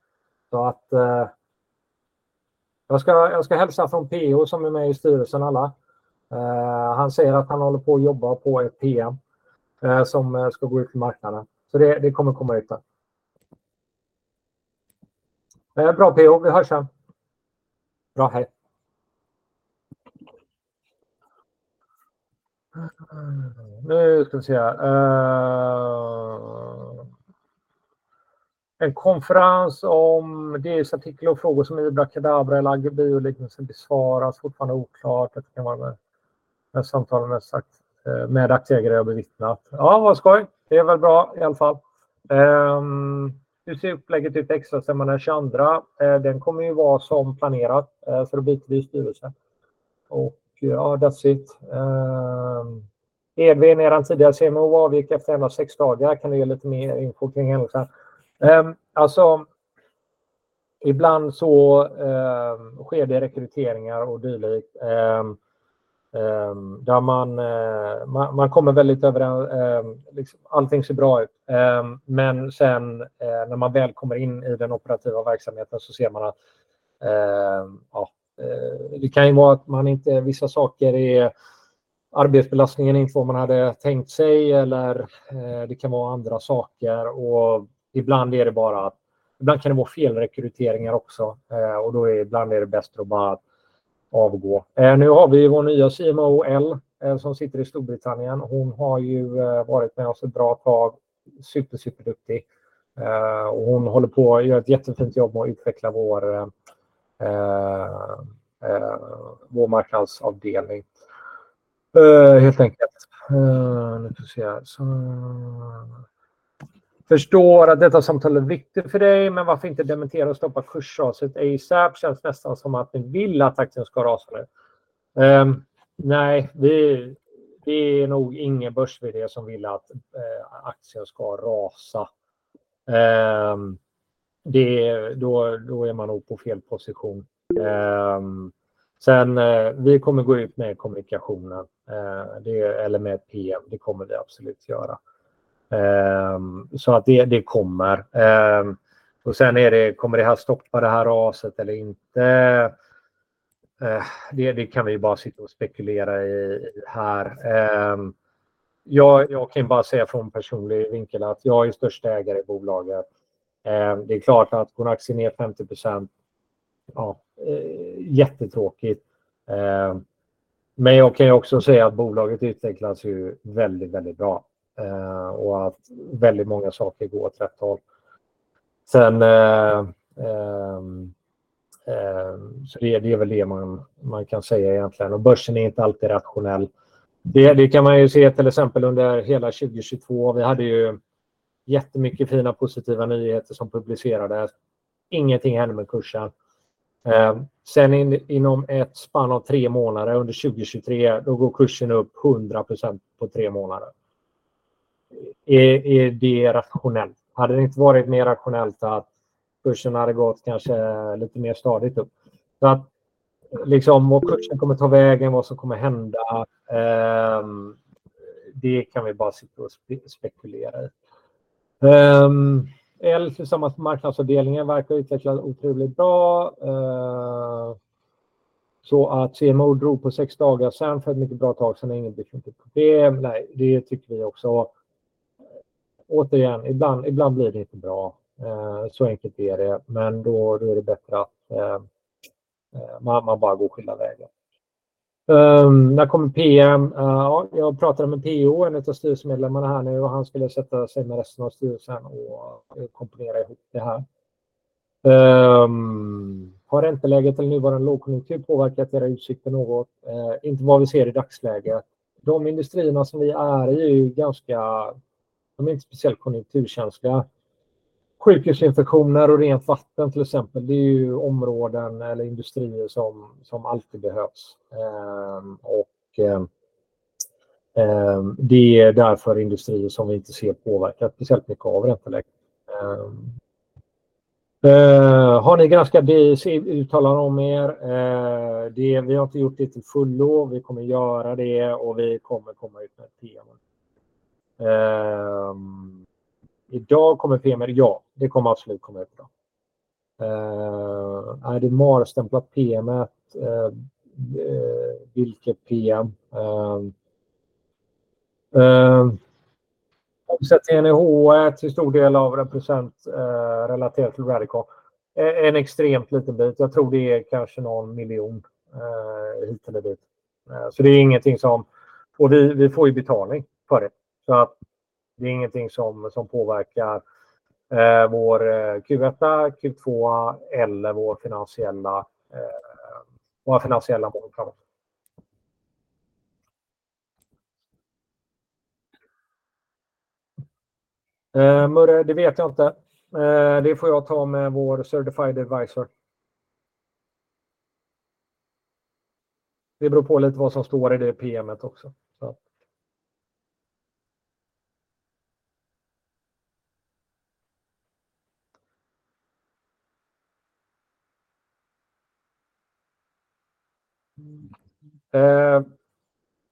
Jag ska hälsa från PO som är med i styrelsen. Han säger att han håller på att jobba på ett PM som ska gå ut på marknaden. Det kommer komma ut där. Det är bra, PO, vi hörs sen. Bra, hej! Nu ska vi se här. En konferens om D:s artikel och frågor som Abracadabra eller Agge Bio-liknelsen besvaras fortfarande oklart. Det kan vara med samtalen med aktieägare jag bevittnat. Ja, vad skoj! Det är väl bra i alla fall. Hur ser upplägget ut i extra stämman den 22:a? Den kommer ju vara som planerat för att byta ny styrelse. Och ja, that's it. Edvin, er tidiga CMO avvek efter fem av sex dagar. Kan du ge lite mer info kring henne också? Ibland sker det rekryteringar och dylikt, där man kommer väldigt överens och allting ser bra ut. Men när man väl kommer in i den operativa verksamheten så ser man att arbetsbelastningen inte är vad man hade tänkt sig, eller det kan vara andra saker. Ibland kan det vara felrekryteringar också, och då är det ibland bäst att bara avgå. Nu har vi vår nya CMO, Elle, som sitter i Storbritannien. Hon har ju varit med oss ett bra tag. Super, superduktig! Och hon håller på att göra ett jättefint jobb med att utveckla vår marknadsavdelning. Helt enkelt. Förstår att detta samtal är viktigt för dig, men varför inte dementera och stoppa kursraset? Det känns nästan som att ni vill att aktien ska rasa nu. Nej, det är nog ingen börsvd som vill att aktien ska rasa. Då är man nog på fel position. Vi kommer gå ut med kommunikationen, eller med ett PM, det kommer det absolut göra. Kommer det här stoppa det här raset eller inte? Det kan vi bara sitta och spekulera i här. Jag kan bara säga från personlig vinkel att jag är största ägare i bolaget. Det är klart att går aktien ner 50%, ja, jättetråkigt. Men jag kan också säga att bolaget utvecklas ju väldigt, väldigt bra och att väldigt många saker går åt rätt håll. Det är väl det man kan säga egentligen. Börsen är inte alltid rationell. Det kan man ju se till exempel under hela 2022. Vi hade ju jättemycket fina positiva nyheter som publicerades. Ingenting hände med kursen. Inom ett spann om tre månader, under 2023, går kursen upp 100% på tre månader. Är det rationellt? Hade det inte varit mer rationellt att kursen hade gått kanske lite mer stadigt upp? Var kursen kommer ta vägen, vad som kommer hända, det kan vi bara sitta och spekulera i. Elle tillsammans med marknadsavdelningen verkar utveckla otroligt bra. CMO drog på sex dagar sedan för ett mycket bra tag, sedan är ingen different. Det tycker vi också. Ibland blir det inte bra. Så enkelt är det, men då är det bättre att man bara går skilda vägar. När kommer PM:et? Jag pratar med PO, en utav styrelsemedlemmarna här nu och han skulle sätta sig med resten av styrelsen och komponera ihop det här. Har ränteläget eller nuvarande lågkonjunktur påverkat era utsikter något? Inte vad vi ser i dagsläget. De industrierna som vi är i är ganska, de är inte speciellt konjunkturkänsliga. Sjukhusinfektioner och rent vatten, till exempel, det är områden eller industrier som alltid behövs. Det är därför industrier som vi inte ser påverkat speciellt mycket av ränteläget. Har ni granskat det i uttalanden om er? Vi har inte gjort det i full lov. Vi kommer göra det och vi kommer komma ut med ett PM. Idag kommer PM:et? Ja, det kommer absolut komma ut idag. Är det mars stämplat PM:et? Vilket PM? Och så till stor del av represent relaterat till Radiko. En extremt liten bit. Jag tror det är kanske någon miljon hit eller dit. Det är ingenting som... Och vi får ju betalning för det. Det är ingenting som påverkar vår Q1, Q2 eller vår finansiella målkans. Det vet jag inte. Det får jag ta med vår certified advisor. Det beror på lite vad som står i det PM:et också.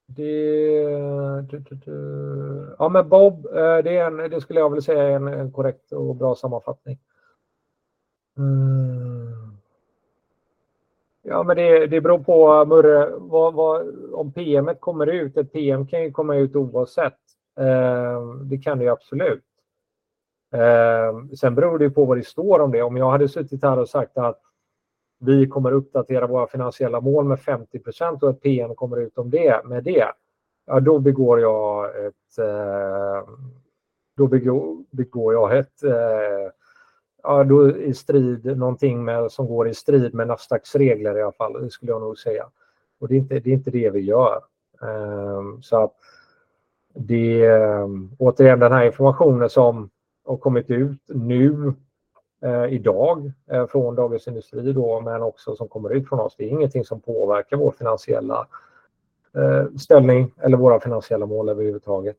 Det, ja, men Bob, det är en, det skulle jag väl säga är en korrekt och bra sammanfattning. Ja, men det beror på Murre, vad, om PM:et kommer ut? Ett PM kan ju komma ut oavsett. Det kan det ju absolut. Sen beror det ju på vad det står om det. Om jag hade suttit här och sagt att vi kommer uppdatera våra finansiella mål med 50% och ett PM kommer ut om det, ja, då begår jag ett brott mot NAFSTAX regler i alla fall, det skulle jag nog säga. Och det är inte det vi gör. Så att, återigen, den här informationen som har kommit ut nu i dag, från Dagens Industri, men också som kommer ut från oss, det är ingenting som påverkar vår finansiella ställning eller våra finansiella mål överhuvudtaget.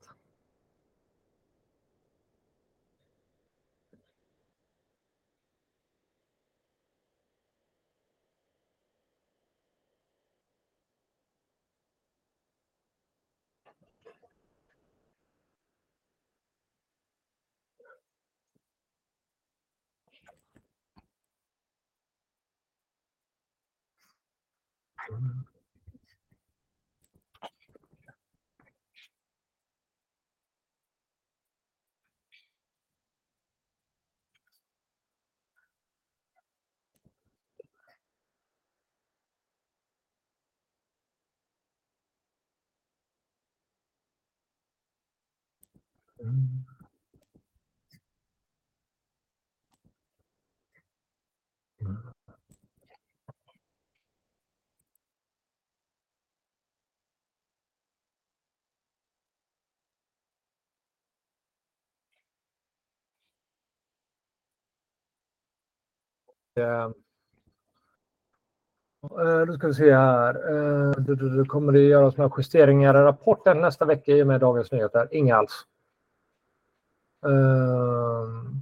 Kommer det att göras några justeringar i rapporten nästa vecka i och med Dagens Nyheter? Inga alls.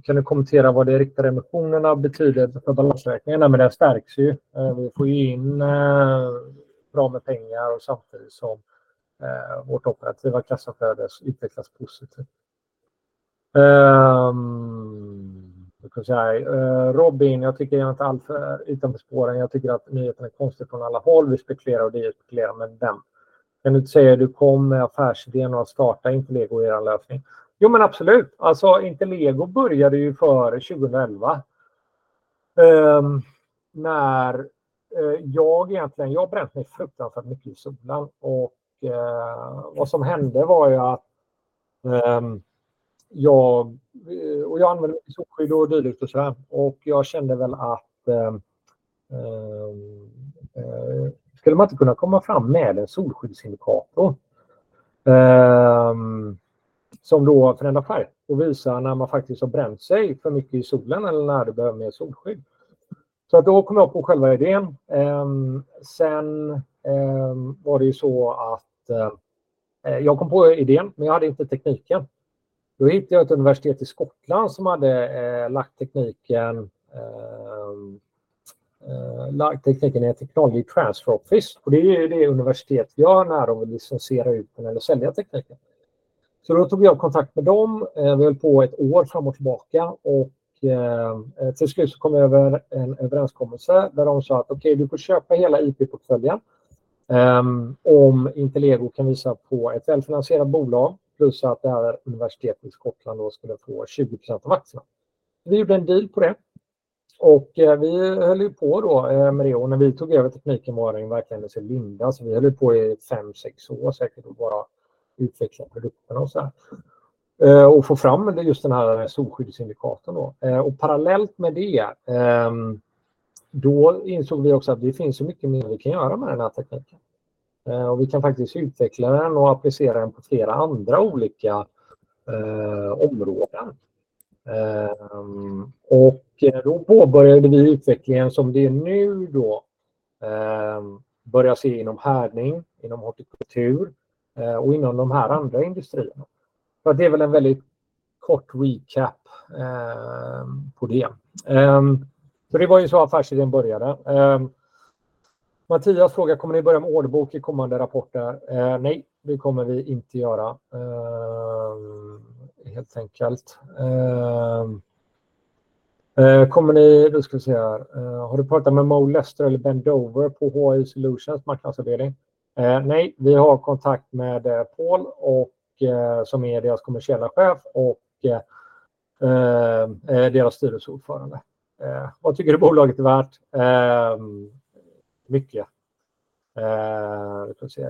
Kan du kommentera vad de riktade emissionerna betyder för balansräkningarna? Den stärks ju. Vi får ju in bra med pengar, samtidigt som vårt operativa kassaflöde utvecklas positivt. Robin, jag tycker att det är alltför utanför spåren. Jag tycker att nyheten är konstig från alla håll. Vi spekulerar, och det är spekulerar, men vem? Kan du inte säga, du kom med affärsidén att starta Intellego i din lösning? Jo, men absolut. Intellego började ju före 2011. När jag egentligen har bränt mig fruktansvärt mycket i solen, och jag använder solskydd och dylikt och såhär, och jag kände väl att, skulle man inte kunna komma fram med en solskyddsindikator? Som då förändrar färg och visar när man faktiskt har bränt sig för mycket i solen, eller när du behöver mer solskydd. Så då kom jag på själva idén. Det var ju så att jag kom på idén, men jag hade inte tekniken. Då hittade jag ett universitet i Skottland som hade lagt tekniken i ett technology transfer office. Det är ju det universitet gör när de licenserar ut eller säljer tekniken. Då tog jag kontakt med dem. Vi höll på ett år fram och tillbaka och till slut så kom vi över en överenskommelse där de sa att: okej, du får köpa hela IP-portföljen om Intellego kan visa på ett välfinansierat bolag, plus att det här universitetet i Skottland då skulle få 20% av aktierna. Vi gjorde en deal på det och när vi tog över tekniken var den verkligen så linda, så vi höll på i fem, sex år säkert att bara utveckla produkterna och så här. Parallellt med det insåg vi också att det finns mycket mer vi kan göra med den här tekniken. Vi kan faktiskt utveckla den och applicera den på flera andra olika områden. Då påbörjade vi utvecklingen som nu börjar synas inom härdning, inom hortikultur och inom de här andra industrierna. Det är en väldigt kort recap på det. Det var så affärsidén började. Mattias frågar: Kommer ni börja med orderbok i kommande rapporter? Nej, det kommer vi inte göra. Har du pratat med Mo Lester eller Ben Dover på HI Solutions marknadsavdelning? Nej, vi har kontakt med Paul, som är deras Kommersiella Chef, och deras Styrelseordförande. Vad tycker du bolaget är värt? Mycket.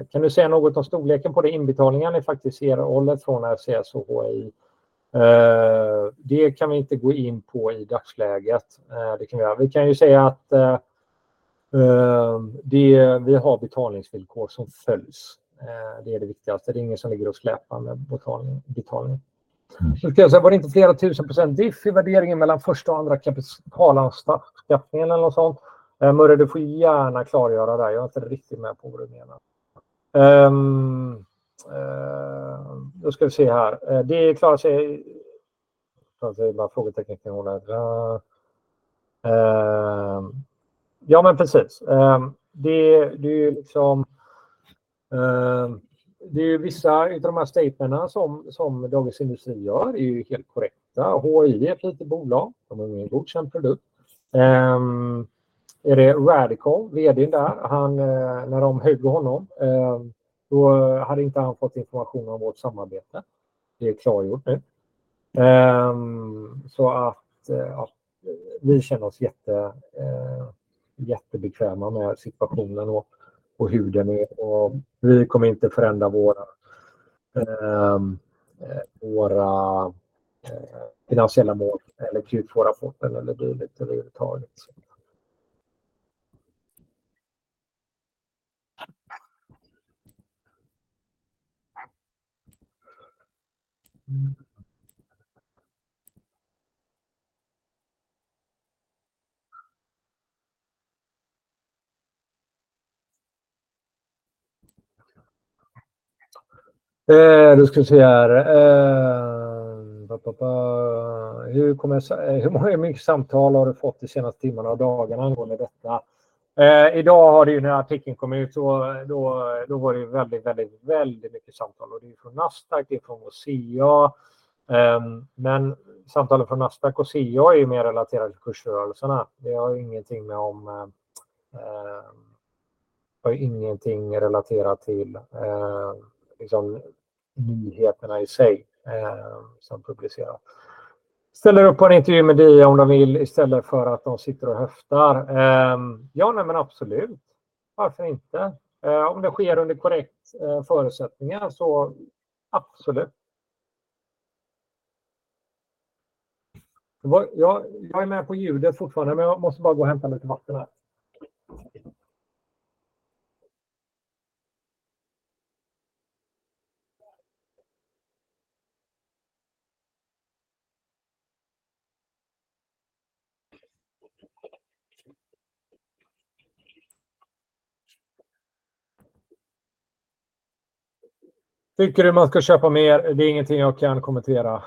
Kan du säga något om storleken på den inbetalningen ni faktiskt ser och håller från FCS och HI? Det kan vi inte gå in på i dagsläget. Vi kan ju säga att vi har betalningsvillkor som följs. Det är det viktigaste. Det är ingen som ligger och släpar med betalning. Var det inte flera tusen% diff i värderingen mellan första och andra kapitalanskaffningen eller något sånt? Murre, du får gärna klargöra det. Jag är inte riktigt med på vad du menar. Det är klart... Så bara frågetecken här. Ja, men precis. Det är ju liksom vissa utav de här statementen som Dagens Industri gör är ju helt korrekta. HII är ett litet bolag. De har en godkänd produkt. Är det Radical, VD:n där, han när de högg honom, då hade inte han fått information om vårt samarbete. Det är klargjort nu. Så att, ja, vi känner oss jättеbekväma med situationen och hur den är. Och vi kommer inte förändra våra finansiella mål eller Q2-rapporten eller bli det överhuvudtaget. Hur mycket samtal har du fått de senaste timmarna och dagarna angående detta? I dag, när artikeln kom ut, då var det väldigt, väldigt, väldigt mycket samtal. Och det är från Nasdaq, det är från och RCA. Men samtalen från Nasdaq och RCA är ju mer relaterat till kursrörelserna. Det har ingenting relaterat till nyheterna i sig som publiceras. Ställer du upp på en intervju med Di om de vill, istället för att de sitter och höftar? Ja, absolut. Varför inte? Om det sker under korrekt förutsättningar, så absolut. Jag är med på ljudet fortfarande, men jag måste bara gå och hämta lite vatten här. Tycker du man ska köpa mer? Det är ingenting jag kan kommentera.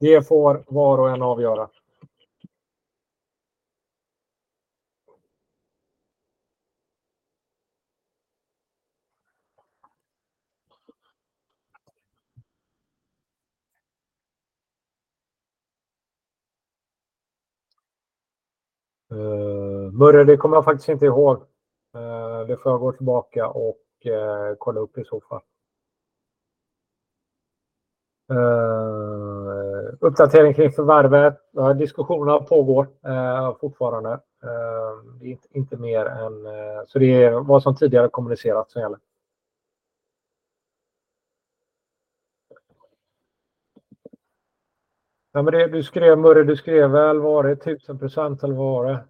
Det får var och en avgöra. Murre, det kommer jag faktiskt inte ihåg. Det får jag gå tillbaka och kolla upp i så fall. Uppdatering kring förvärvet: diskussionerna pågår fortfarande. Det är inte mer än så, det är vad som tidigare har kommunicerats som gäller. Ja, men det du skrev, Murre, du skrev väl var det tusen procent eller var det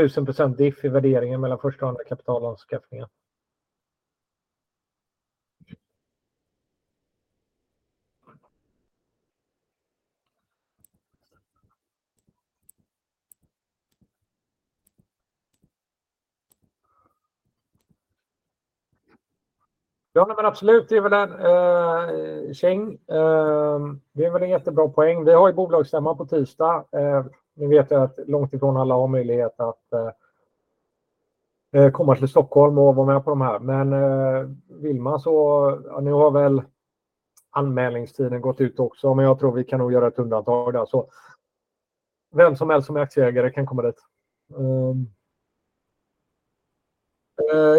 1000% diff i värderingen mellan första och andra kapitalomskaffningen? Ja, men absolut, det är väl en jättebra poäng. Vi har ju bolagsstämman på tisdag. Ni vet ju att långtifrån alla har möjlighet att komma till Stockholm och vara med på de här. Men vill man så... Ja, nu har väl anmälningstiden gått ut också, men jag tror vi kan nog göra ett undantag där. Så vem som helst som är aktieägare kan komma dit.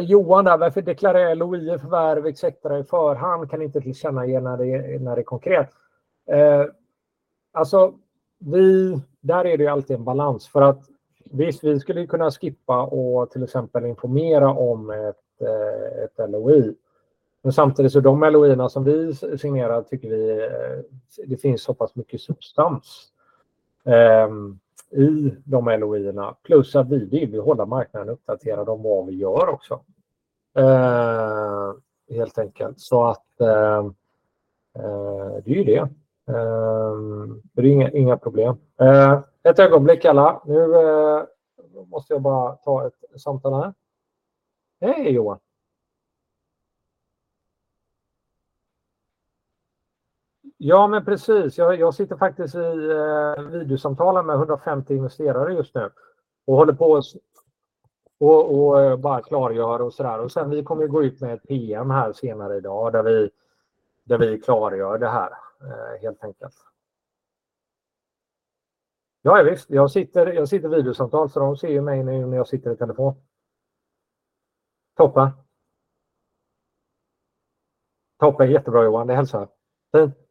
Johan, varför deklarera LOI-förvärv etcetera i förhand? Kan inte tillkännage när det är konkret. Alltså, vi-- där är det ju alltid en balans, för att visst, vi skulle kunna skippa och till exempel informera om ett LOI. Men samtidigt så de LOI:erna som vi signerar tycker vi, det finns så pass mycket substans i de LOI:erna. Plus att vi vill ju hålla marknaden uppdaterad om vad vi gör också, helt enkelt. Det är ju det. Ett ögonblick, alla. Nu måste jag bara ta ett samtal här. Hej Johan! Ja, men precis. Jag sitter faktiskt i videosamtal med hundrafemtio investerare just nu och håller på att bara klargöra och sådär. Sen kommer vi att gå ut med ett PM här senare i dag, där vi klargör det här, helt enkelt. Ja, javisst, jag sitter i videosamtal så de ser ju mig när jag sitter i telefon. Toppen! Toppen, jättebra Johan. Det hälsar jag. Fint. Hej. Ja,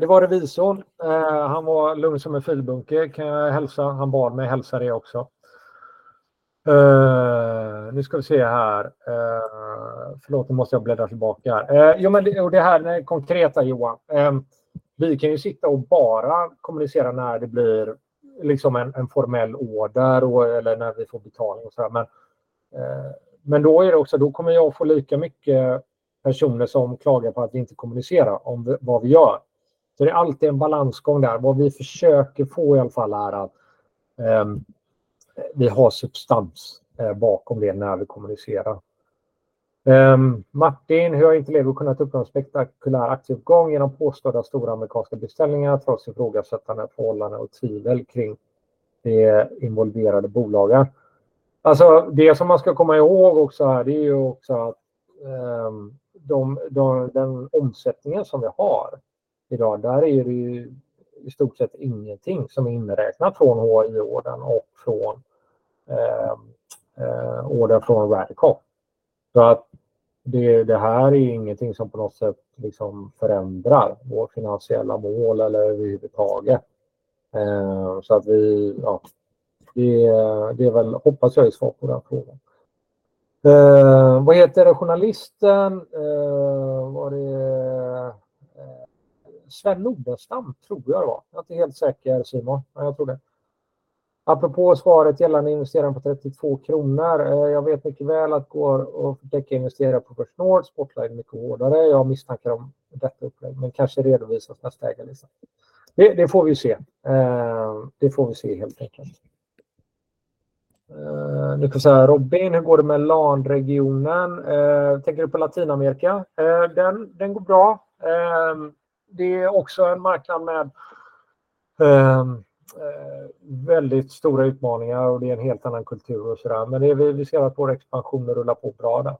det var revisorn. Han var lugn som en filbunke, kan jag hälsa. Han bad mig hälsa det också. Nu ska vi se här. Förlåt, nu måste jag bläddra tillbaka här. Jo, men det här konkreta, Johan. Vi kan ju sitta och bara kommunicera när det blir liksom en formell order eller när vi får betalning och sådär. Men då är det också, då kommer jag att få lika mycket personer som klagar på att vi inte kommunicerar om vad vi gör. Så det är alltid en balansgång där. Vad vi försöker få i alla fall är att vi har substans bakom det när vi kommunicerar. Martin, hur har Intellego kunnat uppnå en spektakulär aktieuppgång genom påstådda stora amerikanska beställningar trots ifrågasättande förhållanden och tvivel kring de involverade bolagen? Det som man ska komma ihåg är också att den omsättningen som vi har i dag, där är det i stort sett ingenting som är inräknat från HI-ordern och från order från Verticop. Det här är ingenting som på något sätt förändrar våra finansiella mål eller överhuvudtaget. Det är väl, hoppas jag, svar på den frågan. Vad heter journalisten? Det var Sven Nordstan tror jag. Jag är inte helt säker, Simon, men jag tror det. Apropå svaret gällande investeraren på 32 kronor: jag vet mycket väl att gå och investera på personal, sportlag är mycket hårdare. Jag har misstankar om detta upplägg, men kanske redovisas nästa ägarlista. Det får vi se helt enkelt. Du kan säga: Robin, hur går det med LAN-regionen? Tänker du på Latinamerika? Den går bra. Det är också en marknad med väldigt stora utmaningar och det är en helt annan kultur och sådär, men vi ser att vår expansion rullar på bra där.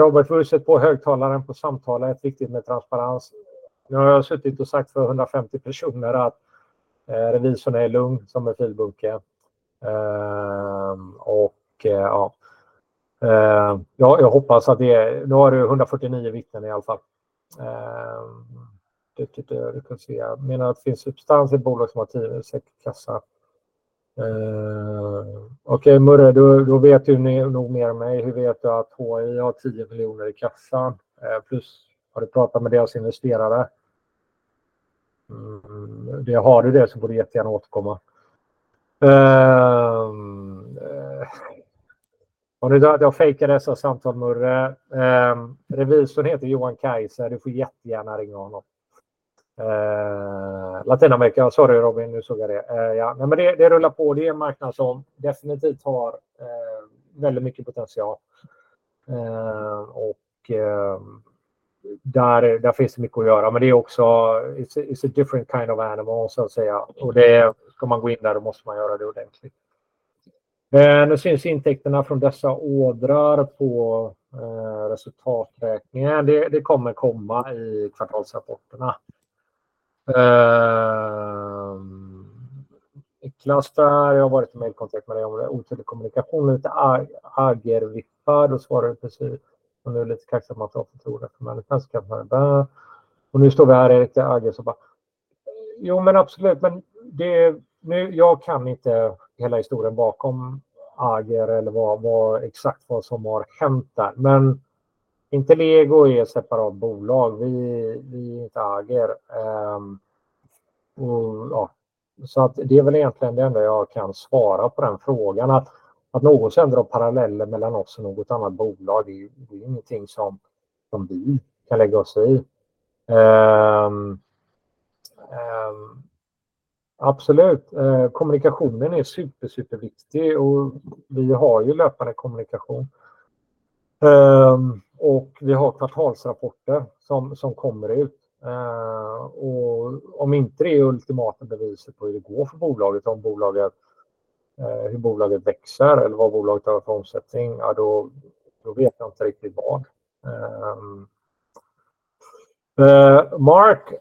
Robert, får du sätta på högtalaren på samtalet? Är det viktigt med transparens? Nu har jag suttit och sagt för 150 personer att revisorn är lugn som en filbunke. Ja, jag hoppas att det, nu har du 149 vittnen i alla fall. Det tycker jag, du kan se. Menar att det finns substans i bolag som har tio säker kassa. Okej, Murre, då vet du nog mer än mig. Hur vet du att HI har 10 miljoner i kassan? Plus, har du pratat med deras investerare? Det har du det, så går det jättegärna återkomma. Om du tror att jag fejkar dessa samtal, Murre. Revisorn heter Johan Kaiser, du får jättegärna ringa honom. Latinamerika, sorry, Robin, nu såg jag det. Ja, men det rullar på. Det är en marknad som definitivt har väldigt mycket potential. Och där finns det mycket att göra, men det är också, it's a different kind of animal, så att säga. Och det ska man gå in där, då måste man göra det ordentligt. Nu syns intäkterna från dessa ordrar på resultaträkningen. Det kommer komma i kvartalsrapporterna. Niklas, det här har varit en mailkontakt, men det var otydlig kommunikation. Lite Ager vi hörde och svarar precis. Och nu är lite kaxat man tror att man kan. Och nu står vi här i Ager och bara... Jo, men absolut, men det, nu kan jag inte hela historien bakom Ager eller vad exakt vad som har hänt där. Men Intellego är ett separat bolag. Vi är inte Ager. Och ja, så att det är väl egentligen det enda jag kan svara på den frågan, att någon känner paralleller mellan oss och något annat bolag, det är ingenting som vi kan lägga oss i. Absolut, kommunikationen är superviktig och vi har ju löpande kommunikation. Vi har kvartalsrapporter som kommer ut. Om inte det är ultimata beviset på hur det går för bolaget, om bolaget hur bolaget växer eller vad bolaget har för omsättning, ja då vet jag inte riktigt vad. Mark,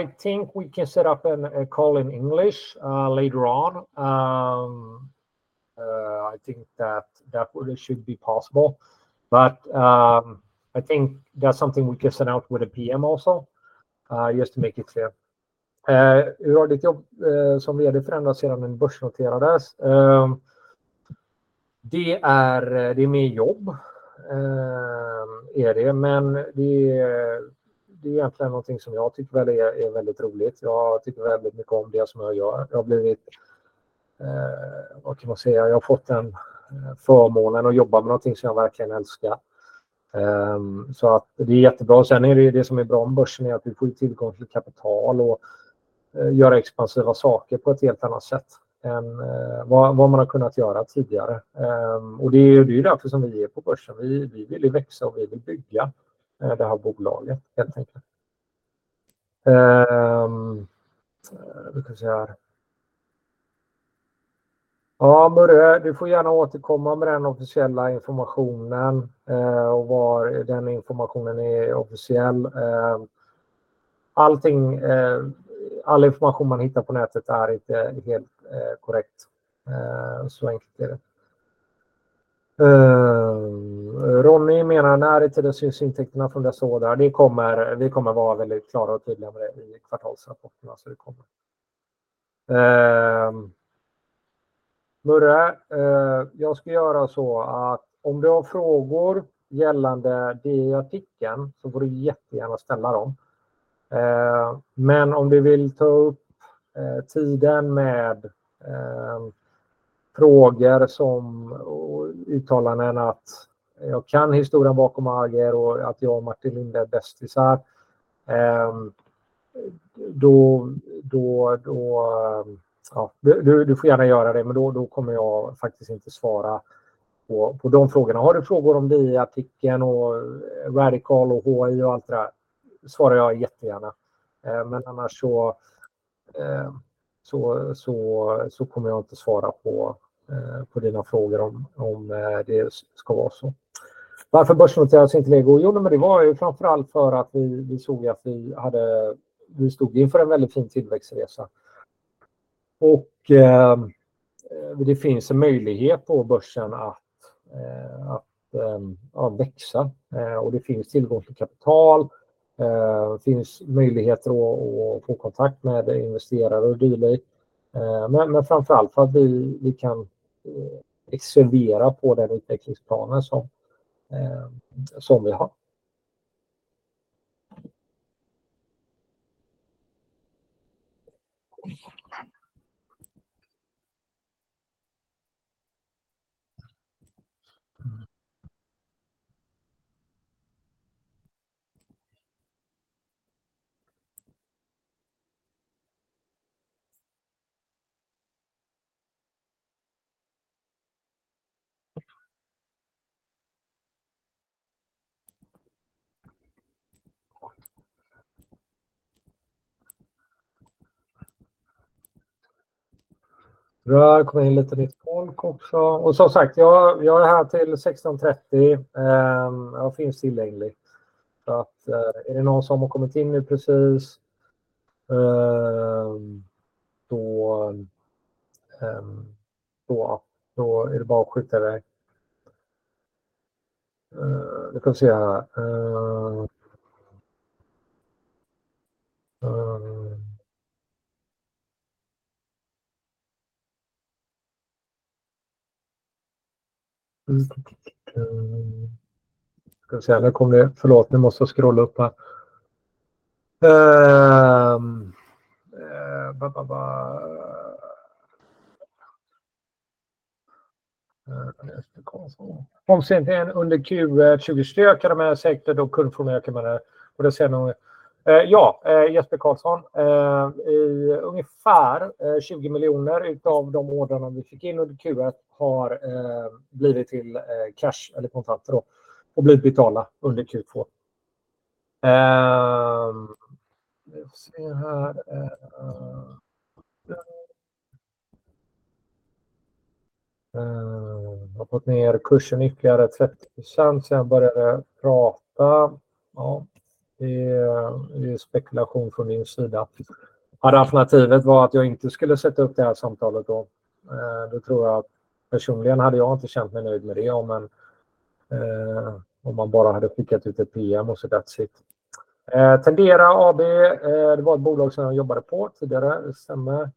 I think we can set up a call in English later on. I think that should be possible. I think that's something we can send out with a PM also, just to make it clear. Hur har ditt jobb som VD förändrats sedan den börsnoterades? Det är mer jobb, men det är egentligen någonting som jag tycker väl är väldigt roligt. Jag tycker väldigt mycket om det som jag gör. Jag har fått den förmånen att jobba med någonting som jag verkligen älskar, så att det är jättebra. Sen är det ju det som är bra om börsen är att du får tillgång till kapital och göra expansiva saker på ett helt annat sätt än vad man har kunnat göra tidigare. Det är ju därför som vi är på börsen. Vi vill ju växa och vi vill bygga det här bolaget, helt enkelt. Nu ska vi se här. Murre, du får gärna återkomma med den officiella informationen, och var den informationen är officiell. Allting, all information man hittar på nätet är inte helt korrekt. Ronny menar: När syns intäkterna från dessa ordrar? Det kommer, vi kommer vara väldigt klara och tydliga med det i kvartalsrapporterna, så det kommer. Murre, jag ska göra så att om du har frågor gällande den artikeln, så går det jättegärna att ställa dem. Om du vill ta upp tiden med frågor och uttalanden att jag kan historien bakom AG och att jag och Martin Linde är bästisar, då får du gärna göra det, men då kommer jag faktiskt inte svara på de frågorna. Har du frågor om det i artikeln och Radical och HI och allt det där, svarar jag jättegärna. Annars kommer jag inte svara på dina frågor om det ska vara så. Varför börsnoteras Intellego? Det var framför allt för att vi såg att vi hade, vi stod inför en väldigt fin tillväxtresa. Det finns en möjlighet på börsen att växa. Det finns tillgång till kapital, finns möjligheter att få kontakt med investerare och dylikt. Men framför allt för att vi kan exekvera på den utvecklingsplanen som vi har. Det har kommit in lite nytt folk också. Som sagt, jag är här till 16:30 och finns tillgänglig. Om det är någon som har kommit in nu precis, då är det bara att skjuta det. Nu ska vi se här. Förlåt, ni måste scrolla upp här. Jesper Karlsson, framtidstrender under Q1, den här sektorn och kundförhållningen med, och det ser nog. Jesper Karlsson, ungefär 20 miljoner utav de ordrarna vi fick in under Q1 har blivit till cash eller kontanter, och blivit betalda under Q2. Nu ska vi se här. Har fått ner kursen ytterligare 30% sedan jag började prata. Det är spekulation från min sida. Andra alternativet var att jag inte skulle sätta upp det här samtalet. Personligen hade jag inte känt mig nöjd med det om man bara hade skickat ut ett PM och så that's it. Tendera AB, det var ett bolag som jag jobbade på tidigare. Det stämmer.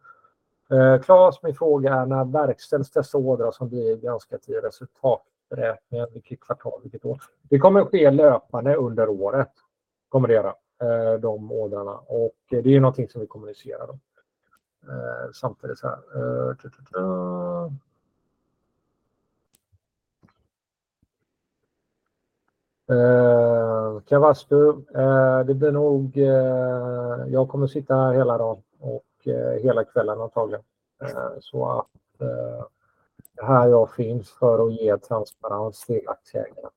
Claes, min fråga är: när verkställs dessa ordrar som blir ganska i resultatberäkningen? Vilket kvartal, vilket år? Det kommer att ske löpande under året, de ordrarna, och det är någonting som vi kommunicerar om samtidigt såhär. Kawasu, det blir nog så att jag kommer att sitta här hela dagen och hela kvällen antagligen. Här finns jag för att ge transparens till aktieägarna.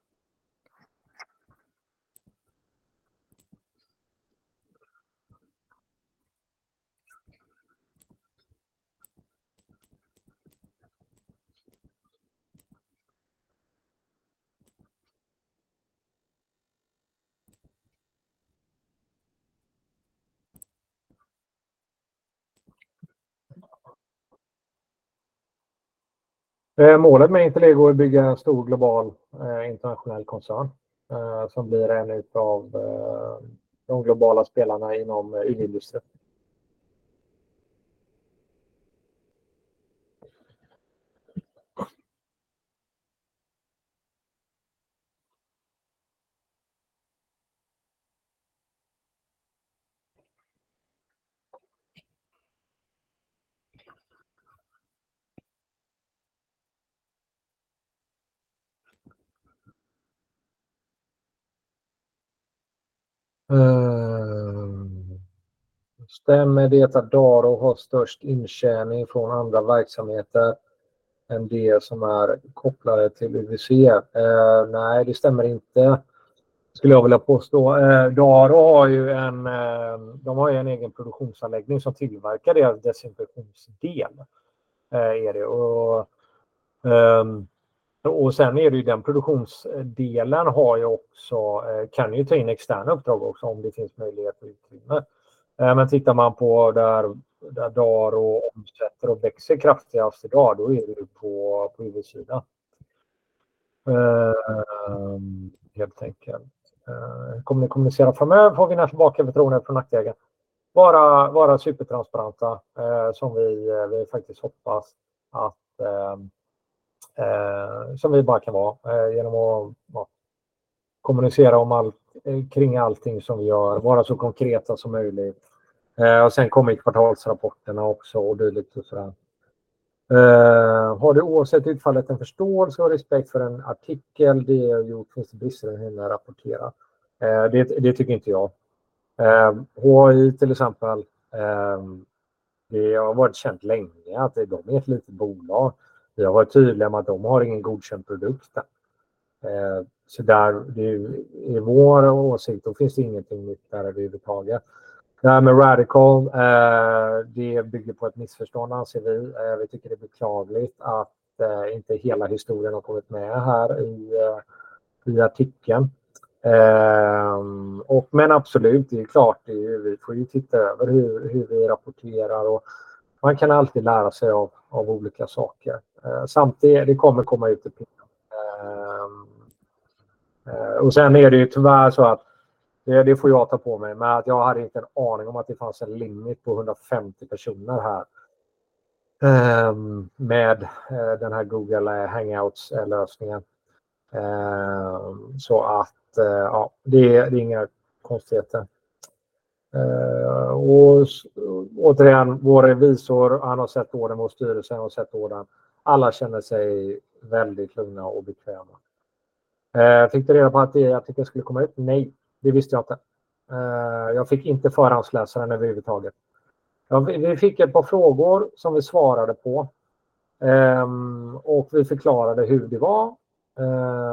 Målet med Intellego är att bygga en stor global, internationell koncern som blir en utav de globala spelarna inom UV-industrin. Det stämmer inte att Daro har störst intjäning från andra verksamheter än de som är kopplade till UVC. Daro har en egen produktionsanläggning som tillverkar deras desinfektionsdel. Den produktionsdelen kan också ta in externa uppdrag, om det finns möjlighet och utrymme. Men tittar man på där Daro omsätter och växer kraftigast i dag, då är det på UV-sidan, helt enkelt. Kommer ni kommunicera framöver? Frågorna som väcker förtroende från aktieägare. Vara supertransparanta, som vi faktiskt hoppas att vi bara kan vara, genom att kommunicera om allt, kring allting som vi gör, vara så konkreta som möjligt. Sen kommer kvartalsrapporterna också och dylikt. Har du oavsett utfallit en förståelse och respekt för en artikel? Det har gjort finns det bäst att hinna rapportera. Det tycker inte jag. HI, till exempel, det har varit känt länge att de är ett litet bolag. Vi har varit tydliga med att de har ingen godkänd produkt än. Så där, det är vår åsikt, då finns det ingenting nytt där överhuvudtaget. Det här med Radical, det bygger på ett missförstånd anser vi. Vi tycker det är beklagligt att inte hela historien har kommit med här i artikeln. Men absolut, det är klart, vi får ju titta över hur vi rapporterar och man kan alltid lära sig av olika saker. Samtidigt, det kommer komma ut ett PM. Det får jag ta på mig, men jag hade inte en aning om att det fanns en limit på hundrafemtio personer här med den här Google Hangouts-lösningen. Vår revisor har sett orden, vår styrelse har sett orden. Alla känner sig väldigt lugna och bekväma. Fick du reda på att det jag tycker skulle komma ut? Nej, det visste jag inte. Jag fick inte förhandsläsa den överhuvudtaget. Vi fick ett par frågor som vi svarade på, och vi förklarade hur det var,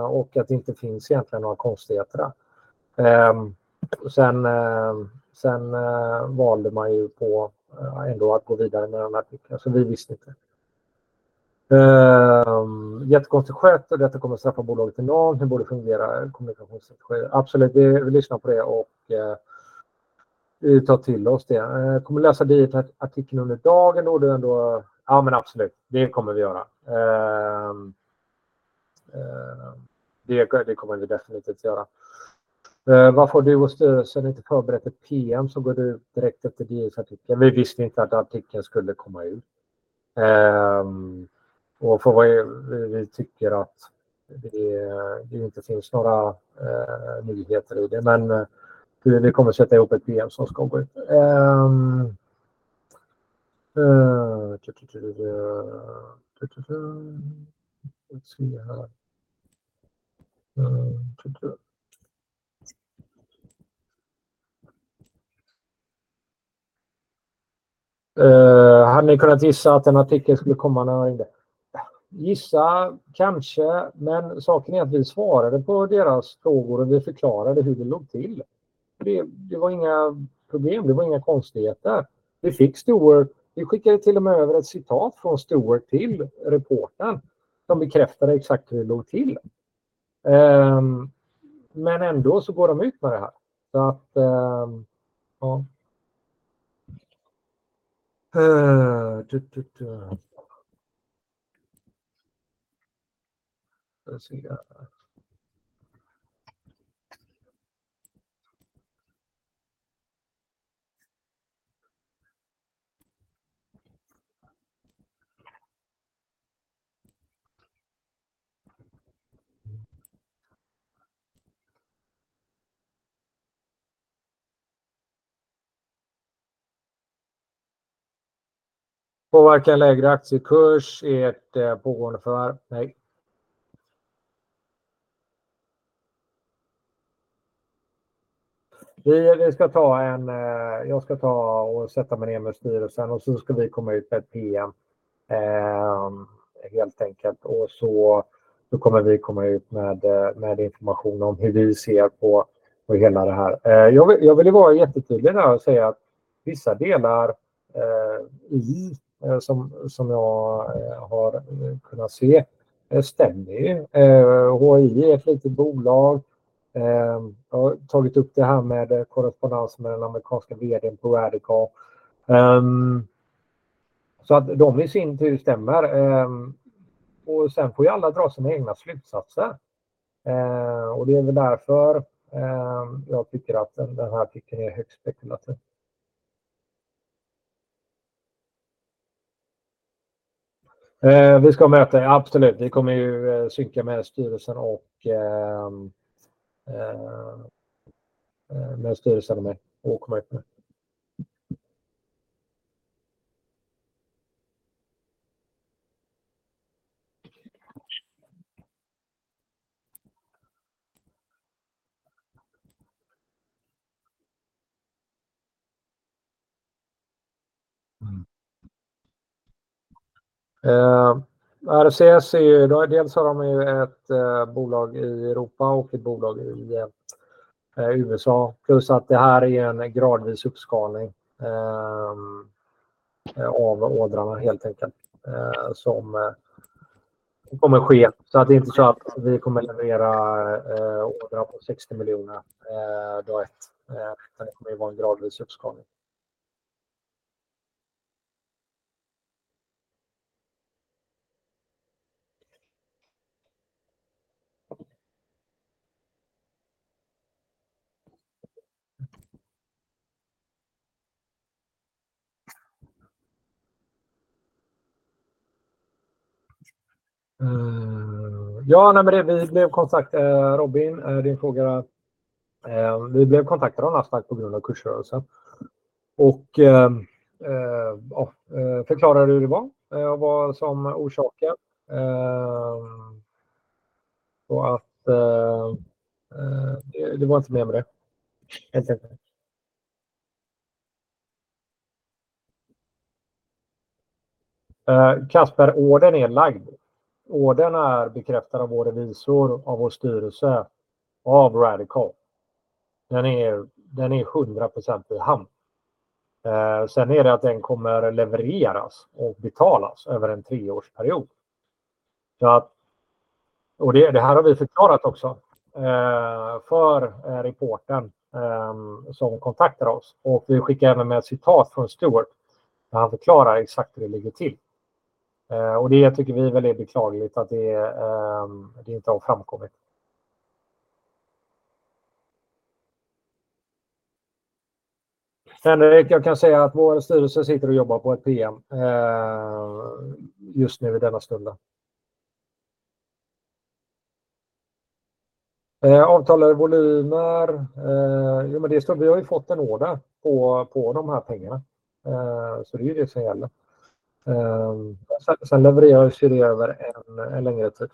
och att det inte finns egentligen några konstigheter. Sen valde man ändå att gå vidare med den artikeln, så vi visste inte. Jättekonstigt skött och detta kommer straffa bolaget enormt. Hur borde kommunikationen fungera... Absolut, vi lyssnar på det och vi tar till oss det. Kommer du läsa DI:s artikel under dagen då? Ja, absolut, det kommer vi göra. Det kommer vi definitivt göra. Varför du och styrelsen inte förberett ett PM? Du går direkt efter DI:s artikel. Vi visste inte att artikeln skulle komma ut. Vi tycker att det inte finns några nyheter i det, men vi kommer att sätta ihop ett PM som ska gå ut. Hade ni kunnat gissa att en artikel skulle komma när han ringde? Gissa, kanske, men saken är att vi svarade på deras frågor och vi förklarade hur det låg till. Det var inga problem, det var inga konstigheter. Vi fick Stewart, vi skickade till och med över ett citat från Stewart till reportern som bekräftade exakt hur det låg till. Men ändå så går de ut med det här. Få se här. Påverkar en lägre aktiekurs ert pågående förvärv? Nej. Vi ska ta en, jag ska ta och sätta mig ner med styrelsen och så ska vi komma ut med ett PM, helt enkelt. Då kommer vi komma ut med information om hur vi ser på hela det här. Jag vill vara jättetydlig här och säga att vissa delar, som jag har kunnat se, stämmer. HI är ett litet bolag. Jag har tagit upp det här med korrespondens med den amerikanska VD:n på Radical, så att de i sin tur stämmer. Alla får dra sina egna slutsatser, och det är därför jag tycker att den här artikeln är högt spekulativ. Vi ska möta det, absolut. Vi kommer synka med styrelsen och komma ut med det. RCS har dels ett bolag i Europa och ett bolag i USA, plus att det här är en gradvis uppskalning av orderna som kommer ske. Det är inte så att vi kommer leverera ordrar på 60 miljoner dag ett. Det kommer att vara en gradvis uppskalning. Robin, din fråga: vi blev kontaktade av Nasdaq på grund av kursrörelsen och förklarade hur det var, vad som var orsaken, och det var inte mer med det. Kasper, ordern är lagd. Ordern är bekräftad av våra revisorer, av vår styrelse och av Radical. Den är 100% i hamn. Den kommer levereras och betalas över en treårsperiod. Det här har vi förklarat för reportern som kontaktade oss, och vi skickade även med ett citat från Stuart, där han förklarar exakt hur det ligger till. Det tycker vi väl är beklagligt att det inte har framkommit. Vår styrelse sitter och jobbar på ett PM just nu i denna stunden. Avtalade volymer. Vi har fått en order på de här pengarna, så det är ju det som gäller. Det levereras över en längre tid.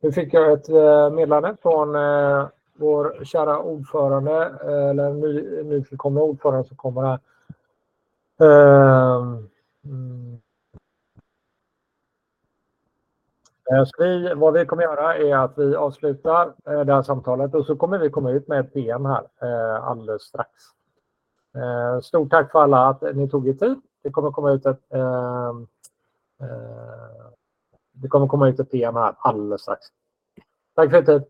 Nu fick jag ett meddelande från vår kära ordförande, eller nytillkomne ordförande som kommer. Vi kommer göra är att vi avslutar det här samtalet och så kommer vi komma ut med ett PM här alldeles strax. Stort tack för alla att ni tog er tid. Det kommer komma ut ett PM här alldeles strax. Tack för det!